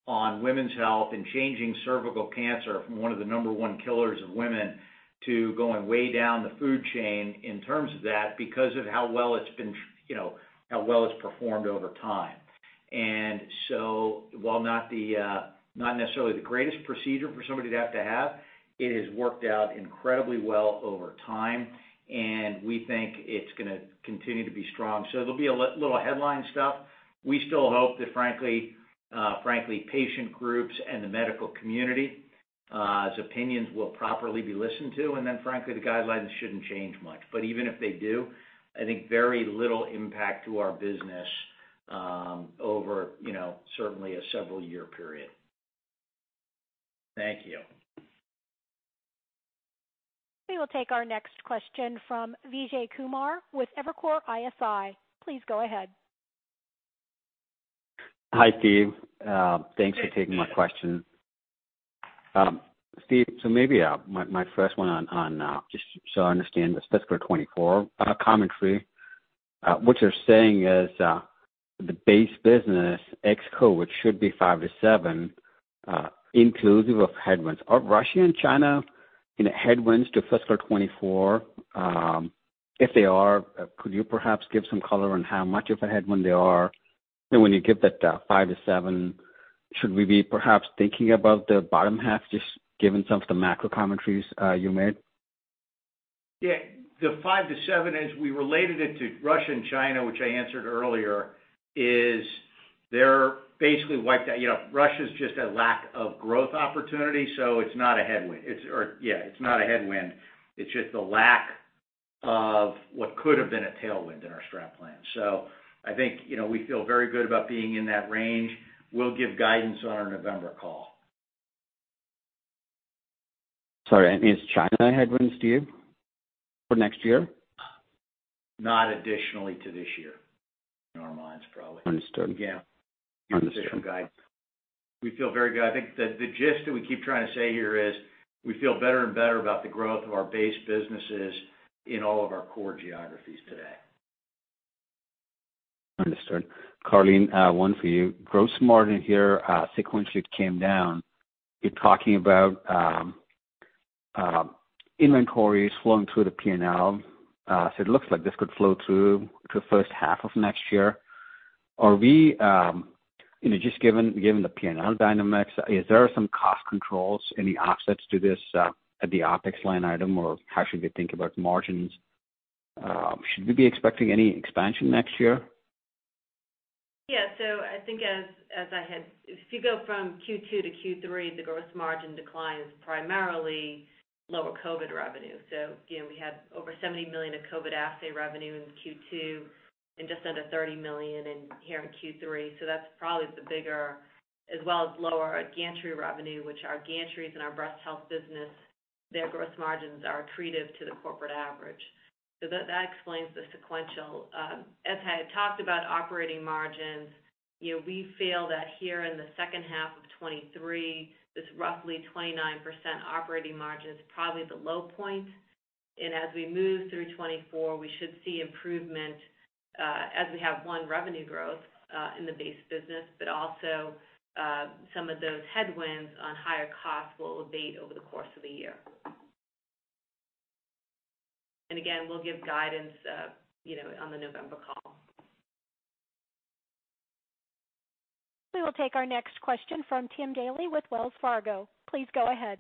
on women's health and changing cervical cancer from one of the one killers of women to going way down the food chain in terms of that, because of how well it's been, you know, how well it's performed over time. So while not the, not necessarily the greatest procedure for somebody to have to have, it has worked out incredibly well over time, and we think it's gonna continue to be strong. There'll be a little headline stuff. We still hope that, frankly, frankly, patient groups and the medical community, its opinions will properly be listened to, and then, frankly, the guidelines shouldn't change much. Even if they do, I think very little impact to our business, over, you know, certainly a several-year period. Thank you. We will take our next question from Vijay Kumar with Evercore ISI. Please go ahead. Hi, Steve. Thanks for taking my question. Steve, so maybe my first one on, on, just so I understand the fiscal 2024 commentary. What you're saying is the base business, ex-COVID, should be 5%-7% inclusive of headwinds. Are Russia and China in the headwinds to fiscal 2024? If they are, could you perhaps give some color on how much of a headwind they are? When you give that 5%-7%, should we be perhaps thinking about the bottom half, just given some of the macro commentaries you made? Yeah, the 5%-7%, as we related it to Russia and China, which I answered earlier, is they're basically wiped out. You know, Russia's just a lack of growth opportunity, so it's not a headwind. It's yeah, it's not a headwind, it's just a lack of what could have been a tailwind in our strat plan. I think, you know, we feel very good about being in that range. We'll give guidance on our November call. Sorry, that means China headwinds to you for next year? Not additionally to this year, in our minds, probably. Understood. Yeah. Understood. Not an official guide. We feel very good. I think the gist that we keep trying to say here is, we feel better and better about the growth of our base businesses in all of our core geographies today. Understood. Karleen, one for you. Gross margin here, sequentially came down. You're talking about inventories flowing through the P&L. It looks like this could flow through to the first half of next year. You know, just given, given the P&L dynamics, is there some cost controls, any offsets to this, at the OpEx line item, or how should we think about margins? Should we be expecting any expansion next year? Yeah. I think as, as I had, if you go from Q2 to Q3, the gross margin decline is primarily lower COVID revenue. Again, we had over $70 million of COVID assay revenue in Q2 and just under $30 million in here in Q3, so that's probably the bigger, as well as lower gantry revenue, which our gantries and our Breast Health business, their gross margins are accretive to the corporate average. That, that explains the sequential. As I had talked about operating margins, you know, we feel that here in the second half of 2023, this roughly 29% operating margin is probably the low point. As we move through 2024, we should see improvement, as we have, one, revenue growth, in the base business, but also, some of those headwinds on higher costs will abate over the course of the year. Again, we'll give guidance, you know, on the November call. We will take our next question from Tim Daley with Wells Fargo. Please go ahead.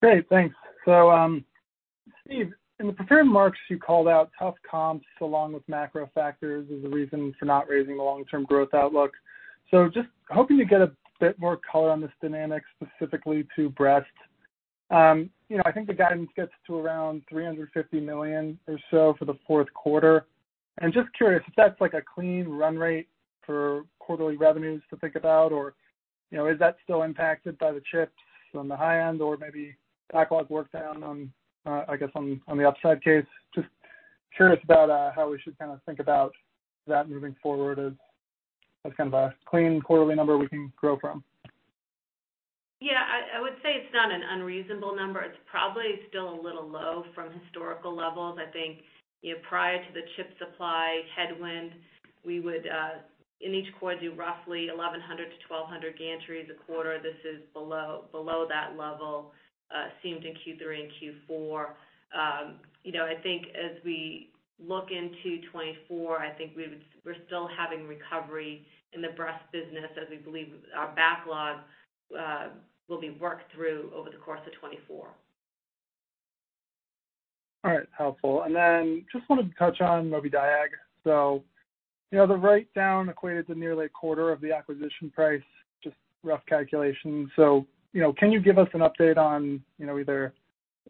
Great, thanks. Steve, in the prepared remarks, you called out tough comps, along with macro factors, as the reason for not raising the long-term growth outlook. Just hoping to get a bit more color on this dynamic, specifically to breast. You know, I think the guidance gets to around $350 million or so for the fourth quarter. Just curious if that's like a clean run rate for quarterly revenues to think about, or, you know, is that still impacted by the chips on the high end or maybe backlog worked down, I guess, on the upside case? Just curious about how we should kind of think about that moving forward as, as kind of a clean quarterly number we can grow from. Yeah, I, I would say it's not an unreasonable number. It's probably still a little low from historical levels. I think, you know, prior to the chip supply headwind, we would in each quarter, do roughly 1,100 to 1,200 gantries a quarter. This is below, below that level, seemed in Q3 and Q4. You know, I think as we look into 2024, I think we're still having recovery in the Breast Health business, as we believe our backlog will be worked through over the course of 2024. All right. Helpful. Then just wanted to touch on Mobidiag. you know, the write-down equated to nearly 0.25 of the acquisition price, just rough calculation. you know, can you give us an update on, you know, either,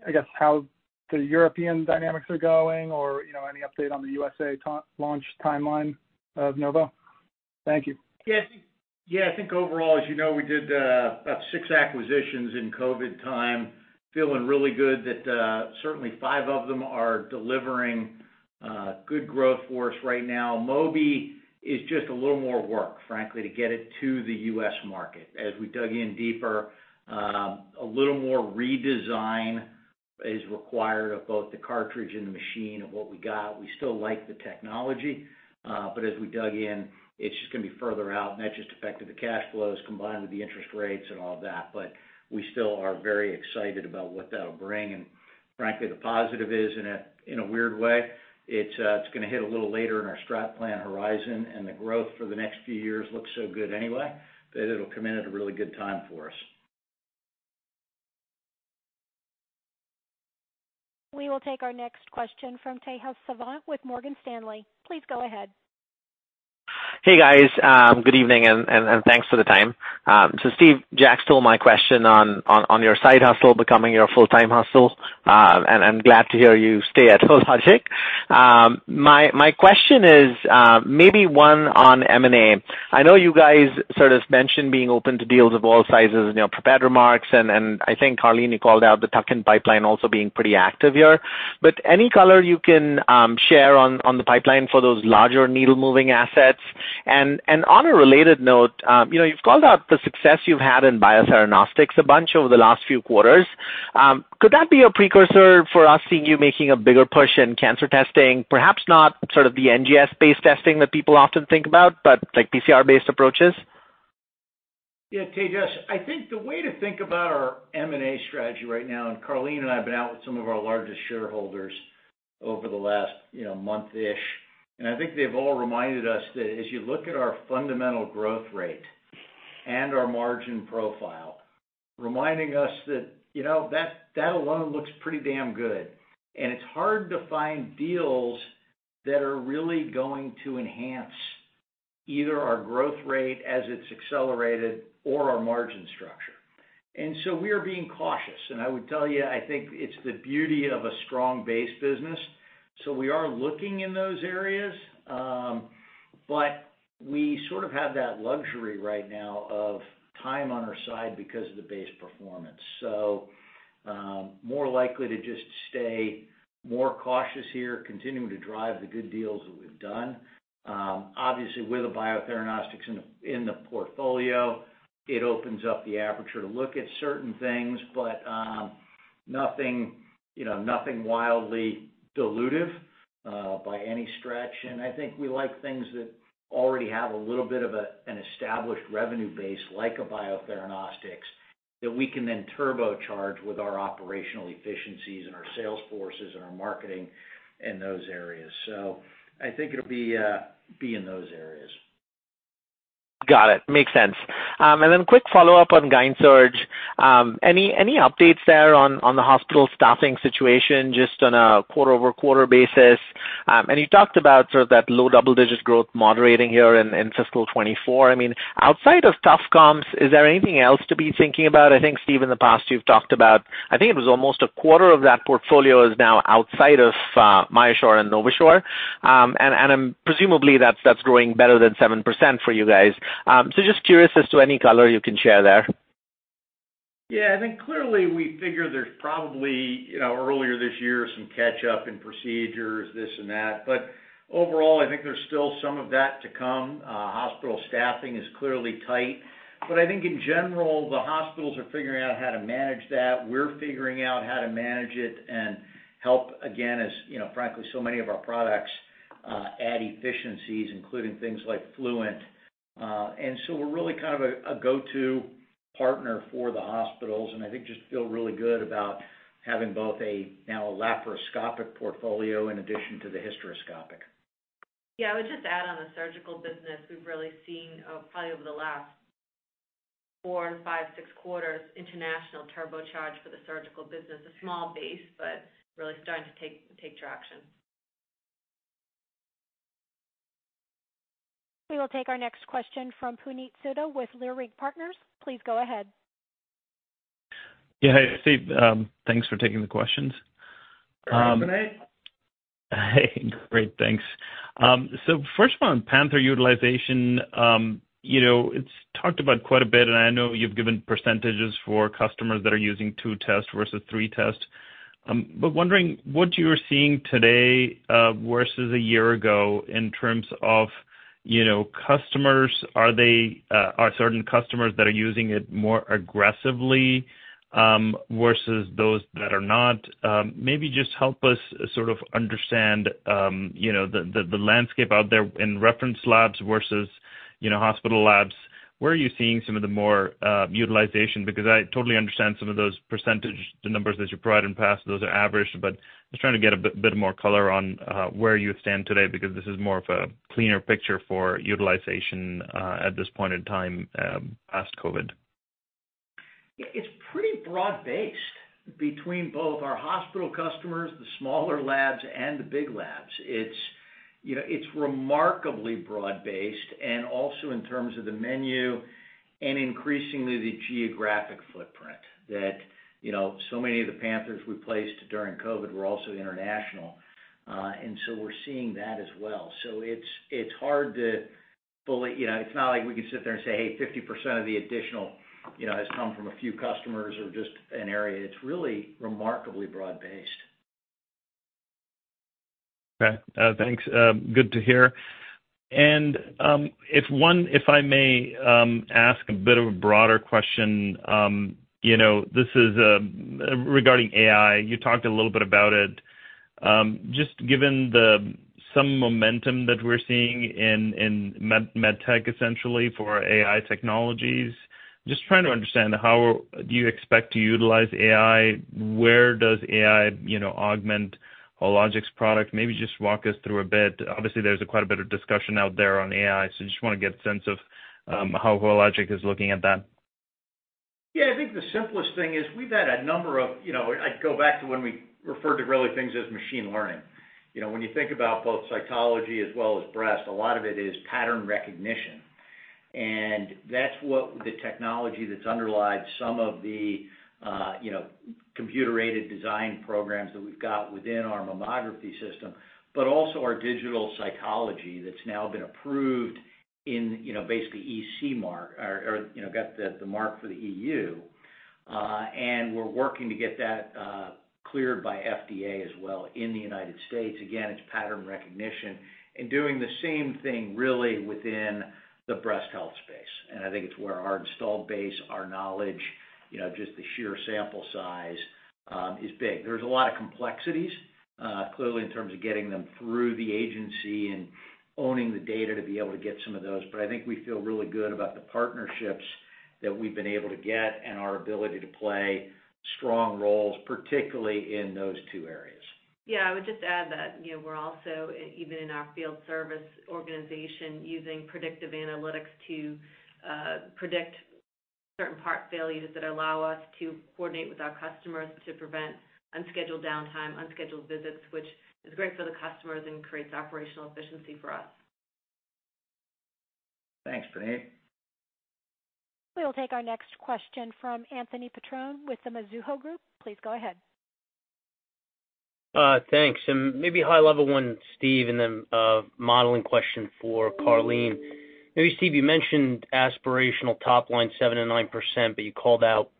I guess, how the European dynamics are going or, you know, any update on the USA launch timeline of Mobidiag? Thank you. Yeah. Yeah, I think overall, as you know, we did about six acquisitions in COVID time. Feeling really good that certainly five of them are delivering good growth for us right now. Mobidiag is just a little more work, frankly, to get it to the U.S. market. As we dug in deeper, a little more redesign is required of both the cartridge and the machine of what we got. We still like the technology, but as we dug in, it's just gonna be further out, and that just affected the cash flows combined with the interest rates and all of that. We still are very excited about what that'll bring. Frankly, the positive is, in a, in a weird way, it's gonna hit a little later in our strat plan horizon, and the growth for the next few years looks so good anyway, that it'll come in at a really good time for us. We will take our next question from Tejas Savant with Morgan Stanley. Please go ahead. Hey, guys, good evening, and, and, and thanks for the time. Steve, Jack stole my question on, on, on your side hustle becoming your full-time hustle. I'm glad to hear you stay at Hologic. My, my question is, maybe one on M&A. I know you guys sort of mentioned being open to deals of all sizes in your prepared remarks, and, and I think Karleen, you called out the tuck-in pipeline also being pretty active here. Any color you can share on, on the pipeline for those larger needle-moving assets? On a related note, you know, you've called out the success you've had in Biotheranostics a bunch over the last few quarters. Could that be a precursor for us seeing you making a bigger push in cancer testing? Perhaps not sort of the NGS-based testing that people often think about, but like PCR-based approaches. Yeah, Tejas, I think the way to think about our M&A strategy right now. Karleen and I have been out with some of our largest shareholders over the last, you know, month-ish, and I think they've all reminded us that as you look at our fundamental growth rate and our margin profile, reminding us that, you know, that, that alone looks pretty damn good. It's hard to find deals that are really going to enhance either our growth rate as it's accelerated or our margin structure. We are being cautious. I would tell you, I think it's the beauty of a strong base business. We are looking in those areas, but we sort of have that luxury right now of time on our side because of the base performance. More likely to just stay more cautious here, continuing to drive the good deals that we've done. Obviously, with the Biotheranostics in the portfolio, it opens up the aperture to look at certain things, but nothing, you know, nothing wildly dilutive by any stretch. I think we like things that already have a little bit of an established revenue base, like a Biotheranostics, that we can then turbocharge with our operational efficiencies and our sales forces and our marketing in those areas. I think it'll be, be in those areas. Got it. Makes sense. Then quick follow-up on GYN Surgical. Any, any updates there on, on the hospital staffing situation, just on a quarter-over-quarter basis? You talked about sort of that low double-digit growth moderating here in, in fiscal 2024. I mean, outside of tough comps, is there anything else to be thinking about? I think, Steve, in the past, you've talked about... I think it was almost a quarter of that portfolio is now outside of MyoSure and NovaSure. I'm presumably that's, that's growing better than 7% for you guys. Just curious as to any color you can share there. Yeah, I think clearly we figure there's probably, you know, earlier this year, some catch up in procedures, this and that. Overall, I think there's still some of that to come. Hospital staffing is clearly tight, but I think in general, the hospitals are figuring out how to manage that. We're figuring out how to manage it and help, again, as, you know, frankly, so many of our products add efficiencies, including things like Fluent. We're really kind of a, a go-to partner for the hospitals, and I think just feel really good about having both a now a laparoscopic portfolio in addition to the hysteroscopic. I would just add on the Surgical business, we've really seen, probably over the last four to five, or six quarters, international turbocharge for the Surgical business. A small base, but really starting to take, take traction. We will take our next question from Puneet Souda with Leerink Partners. Please go ahead. Yeah. Hey, Steve, thanks for taking the questions. Hi, Puneet. Hey, great, thanks. First of on Panther utilization, you know, it's talked about quite a bit, and I know you've given percentages for customers that are using two tests versus three tests. Wondering what you're seeing today versus a year ago in terms of, you know, customers? Are they, are certain customers that are using it more aggressively versus those that are not? Maybe just help us sort of understand, you know, the, the, the landscape out there in reference labs versus, you know, hospital labs. Where are you seeing some of the more utilization? Because I totally understand some of those percentages, the numbers that you provided in the past, those are average. just trying to get a bit, bit more color on, where you stand today, because this is more of a cleaner picture for utilization, at this point in time, past COVID. Yeah, it's pretty broad-based between both our hospital customers, the smaller labs and the big labs. It's, you know, it's remarkably broad-based, and also in terms of the menu and increasingly the geographic footprint that, you know, so many of the Panthers we placed during COVID were also international. So we're seeing that as well. It's hard to fully. You know, it's not like we can sit there and say, "Hey, 50% of the additional, you know, has come from a few customers or just an area." It's really remarkably broad-based. Okay, thanks. Good to hear. If I may, ask a bit of a broader question, you know, this is regarding AI. You talked a little bit about it. Just given some momentum that we're seeing in MedTech, essentially for AI technologies, just trying to understand, how do you expect to utilize AI? Where does AI, you know, augment Hologic's product? Maybe just walk us through a bit. Obviously, there's quite a bit of discussion out there on AI, so just want to get a sense of how Hologic is looking at that. Yeah, I think the simplest thing is we've had a number of, you know, I'd go back to when we referred to really things as machine learning. You know, when you think about both cytology as well as breast, a lot of it is pattern recognition. That's what the technology that's underlying some of the, you know, computer-aided detection programs that we've got within our mammography system, but also our digital cytology that's now been approved in, you know, basically CE mark or, or, you know, got the, the mark for the EU. We're working to get that cleared by FDA as well in the United States. Again, it's pattern recognition and doing the same thing really within the breast health space. I think it's where our installed base, our knowledge, you know, just the sheer sample size is big. There's a lot of complexities, clearly, in terms of getting them through the agency and owning the data to be able to get some of those. I think we feel really good about the partnerships that we've been able to get and our ability to play strong roles, particularly in those two areas. Yeah, I would just add that, you know, we're also, even in our field service organization, using predictive analytics to predict certain part failures that allow us to coordinate with our customers to prevent unscheduled downtime, unscheduled visits, which is great for the customers and creates operational efficiency for us. Thanks, Puneet. We will take our next question from Anthony Petrone with the Mizuho Group. Please go ahead. Thanks. Maybe a high-level one, Steve, a modeling question for Karleen. Maybe, Steve, you mentioned aspirational top line 7% and 9%, but you called out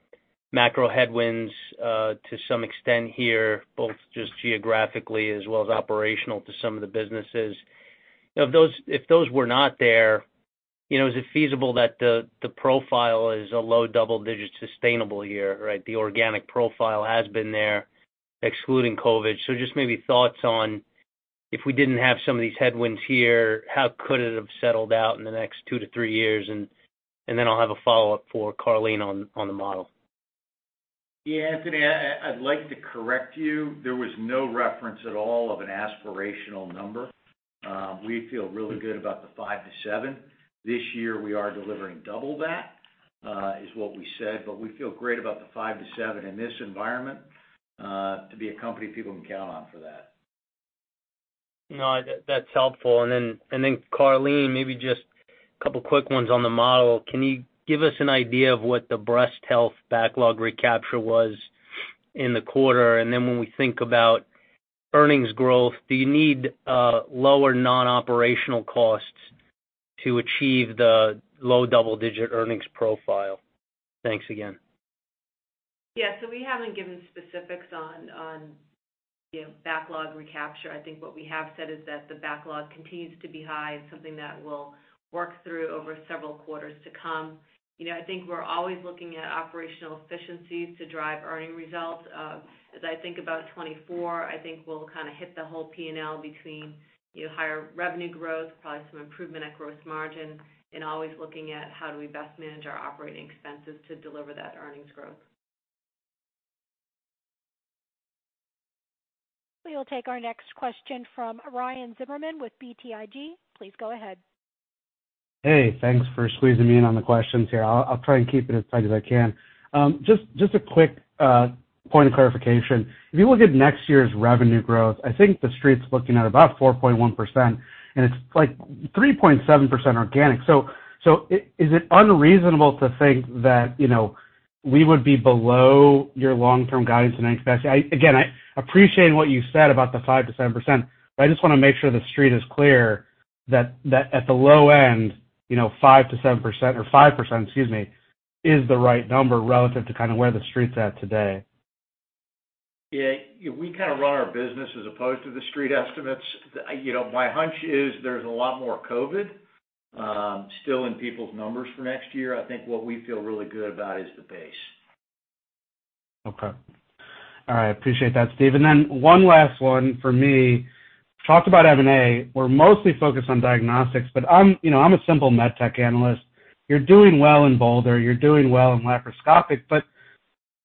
macro headwinds to some extent here, both just geographically as well as operational to some of the businesses. If those, if those were not there, you know, is it feasible that the profile is a low double digit sustainable year, right? The organic profile has been there, excluding COVID. Maybe thoughts on, if we didn't have some of these headwinds here, how could it have settled out in the next two to three years? Then I'll have a follow-up for Karleen on the model. Yeah, Anthony, I, I'd like to correct you. There was no reference at all of an aspirational number. We feel really good about the 5%-7%. This year, we are delivering double that, is what we said, but we feel great about the 5%-7% in this environment, to be a company people can count on for that. No, that, that's helpful. Then, Karleen, maybe just a couple quick ones on the model. Can you give us an idea of what the Breast Health backlog recapture was in the quarter? Then when we think about earnings growth, do you need lower non-operational costs to achieve the low double-digit earnings profile? Thanks again. Yeah, we haven't given specifics on, you know, backlog recapture. I think what we have said is that the backlog continues to be high and something that we'll work through over several quarters to come. You know, I think we're always looking at operational efficiencies to drive earning results. As I think about 2024, I think we'll kind of hit the whole P&L between, you know, higher revenue growth, probably some improvement at gross margin, and always looking at how do we best manage our operating expenses to deliver that earnings growth. We will take our next question from Ryan Zimmerman with BTIG. Please go ahead. Hey, thanks for squeezing me in on the questions here. I'll, I'll try and keep it as tight as I can. Just, just a quick point of clarification. If you look at next year's revenue growth, I think the street's looking at about 4.1%, and it's like 3.7% organic. Is it unreasonable to think that, you know, we would be below your long-term guide in any capacity? Again, I appreciate what you said about the 5%-7%, but I just want to make sure the street is clear that, that at the low end, you know, 5%-7% or 5%, excuse me, is the right number relative to kind of where the street's at today. Yeah, we kind of run our business as opposed to the street estimates. You know, my hunch is there's a lot more COVID still in people's numbers for next year. I think what we feel really good about is the base. Okay. All right, appreciate that, Steve. One last one for me. Talked about M&A. We're mostly focused on Diagnostics, but I'm, you know, I'm a simple MedTech analyst. You're doing well in Bolder, you're doing well in laparoscopic, but,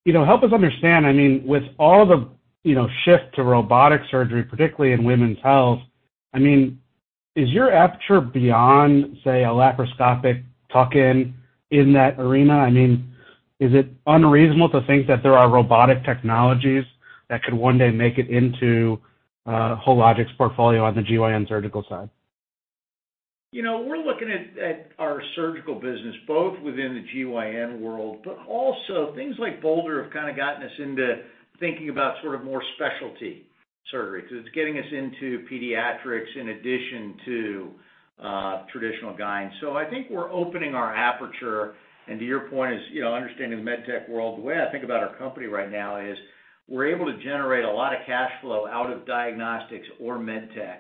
you know, help us understand, I mean, with all the, you know, shift to robotic surgery, particularly in women's health, I mean, is your aperture beyond, say, a laparoscopic tuck-in in that arena? I mean, is it unreasonable to think that there are robotic technologies that could one day make it into Hologic's portfolio on the GYN Surgical side? You know, we're looking at, at our surgical business, both within the GYN world, but also things like Bolder, have kind of gotten us into thinking about sort of more specialty surgery, because it's getting us into pediatric-... in addition to traditional guidance. I think we're opening our aperture, and to your point is, you know, understanding the MedTech world, the way I think about our company right now is, we're able to generate a lot of cash flow out of diagnostics or MedTech.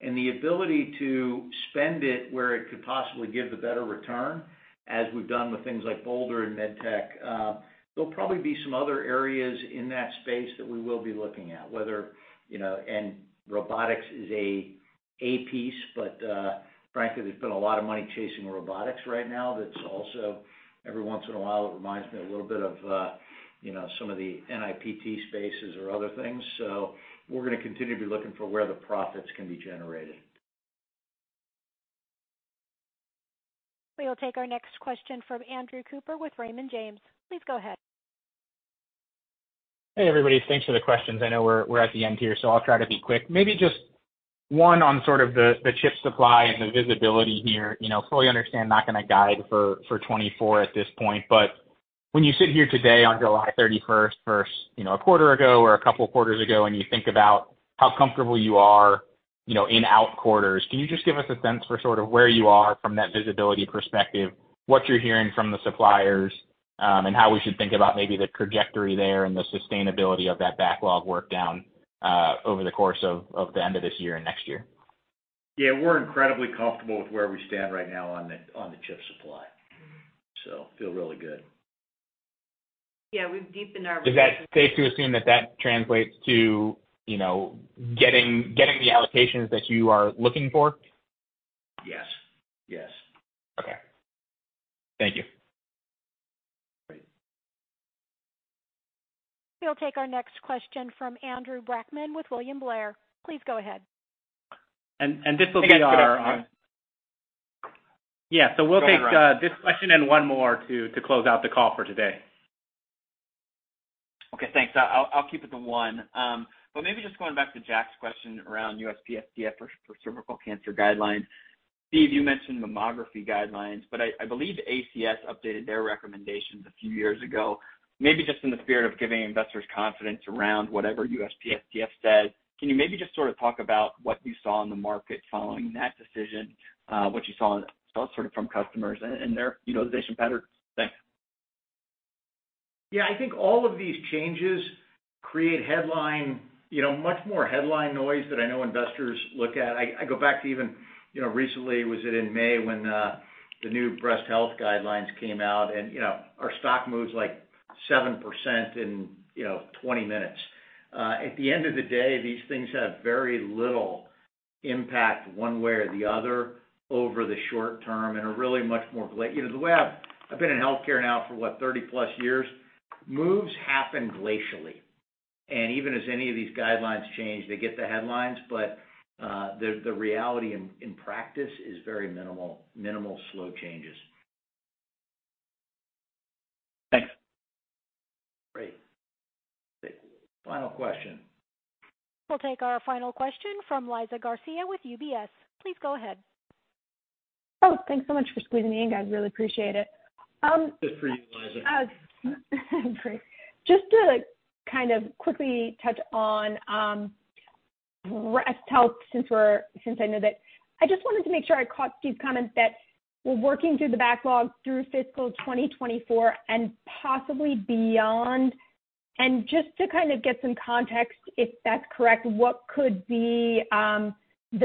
The ability to spend it where it could possibly give the better return, as we've done with things like Bolder and MedTech, there'll probably be some other areas in that space that we will be looking at, whether, you know, and robotics is a, a piece, but frankly, there's been a lot of money chasing robotics right now. That's also, every once in a while, it reminds me a little bit of, you know, some of the NIPT spaces or other things. We're going to continue to be looking for where the profits can be generated. We will take our next question from Andrew Cooper with Raymond James. Please go ahead. Hey, everybody. Thanks for the questions. I know we're, we're at the end here, so I'll try to be quick. Maybe just one on sort of the, the chip supply and the visibility here. You know, fully understand, not going to guide for, for 2024 at this point, but when you sit here today on July 31st versus, you know, a quarter ago or a couple quarters ago, and you think about how comfortable you are, you know, in out quarters, can you just give us a sense for sort of where you are from that visibility perspective, what you're hearing from the suppliers, and how we should think about maybe the trajectory there and the sustainability of that backlog work down over the course of, of the end of this year and next year? Yeah, we're incredibly comfortable with where we stand right now on the, on the chip supply. Feel really good. Yeah, we've deepened our— Is that safe to assume that that translates to, you know, getting, getting the allocations that you are looking for? Yes. Yes. Okay. Thank you. Great. We'll take our next question from Andrew Brackmann with William Blair. Please go ahead. This will be our— Thanks. Go ahead. Yeah, so we'll take this question and one more to, to close out the call for today. Okay, thanks. I, I'll keep it to one. Maybe just going back to Jack's question around USPSTF for, for cervical cancer guidelines. Steve, you mentioned Mammography guidelines, but I, I believe ACS updated their recommendations a few years ago. Maybe just in the spirit of giving investors confidence around whatever USPSTF says, can you maybe just sort of talk about what you saw in the market following that decision, what you saw sort of from customers and their position better? Thanks. Yeah, I think all of these changes create headline, you know, much more headline noise than I know investors look at. I, I go back to even, you know, recently, was it in May when the new Breast Health guidelines came out and, you know, our stock moves like 7% in, you know, 20 minutes. At the end of the day, these things have very little impact one way or the other over the short term, and are really much more, you know, the way I've been in healthcare now for, what, 30+ years, moves happen glacially, and even as any of these guidelines change, they get the headlines, but, the reality in, in practice is very minimal, minimal, slow changes. Thanks. Great. Final question. We'll take our final question from Liza Garcia with UBS. Please go ahead. Oh, thanks so much for squeezing me in, guys. Really appreciate it. Good for you, Liza. Great. Just to kind of quickly touch on Breast Health, since I know that, I just wanted to make sure I caught Steve's comment that we're working through the backlog through fiscal 2024 and possibly beyond. Just to kind of get some context, if that's correct, what could be the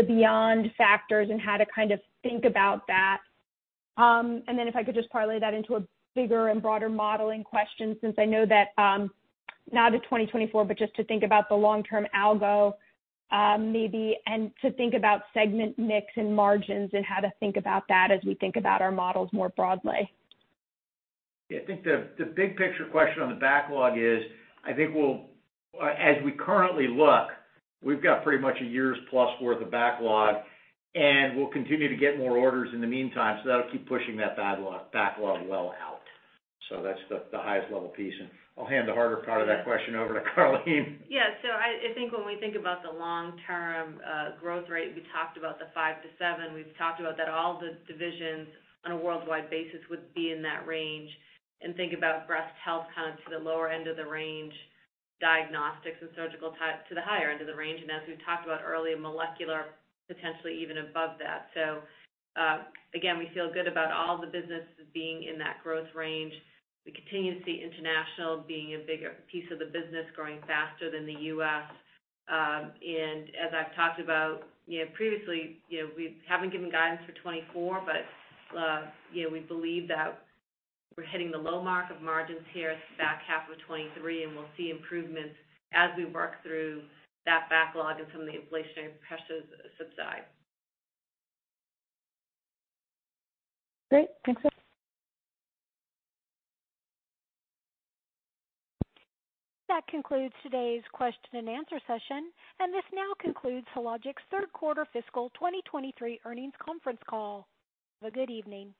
beyond factors and how to kind of think about that? If I could just parlay that into a bigger and broader modeling question, since I know that, not to 2024, but just to think about the long-term algo, maybe, and to think about segment mix and margins and how to think about that as we think about our models more broadly. Yeah, I think the, the big picture question on the backlog is, I think we'll, as we currently look, we've got pretty much a year's plus worth of backlog, and we'll continue to get more orders in the meantime, so that'll keep pushing that backlog, backlog well out. That's the, the highest level piece, and I'll hand the harder part of that question over to Karleen. Yeah. So I, I think when we think about the long-term growth rate, we talked about the 5%-7%. We've talked about that all the divisions on a worldwide basis would be in that range, and think about Breast Health kind of to the lower end of the range, Diagnostics and Surgical type to the higher end of the range, and as we've talked about earlier, Molecular Diagnostics, potentially even above that. Again, we feel good about all the businesses being in that growth range. We continue to see international being a bigger piece of the business, growing faster than the U.S. As I've talked about, you know, previously, you know, we haven't given guidance for 2024, but, you know, we believe that we're hitting the low mark of margins here at the back half of 2023, and we'll see improvements as we work through that backlog and some of the inflationary pressures subside. Great. Thanks. That concludes today's question-and-answer session, and this now concludes Hologic's third quarter fiscal 2023 earnings conference call. Have a good evening.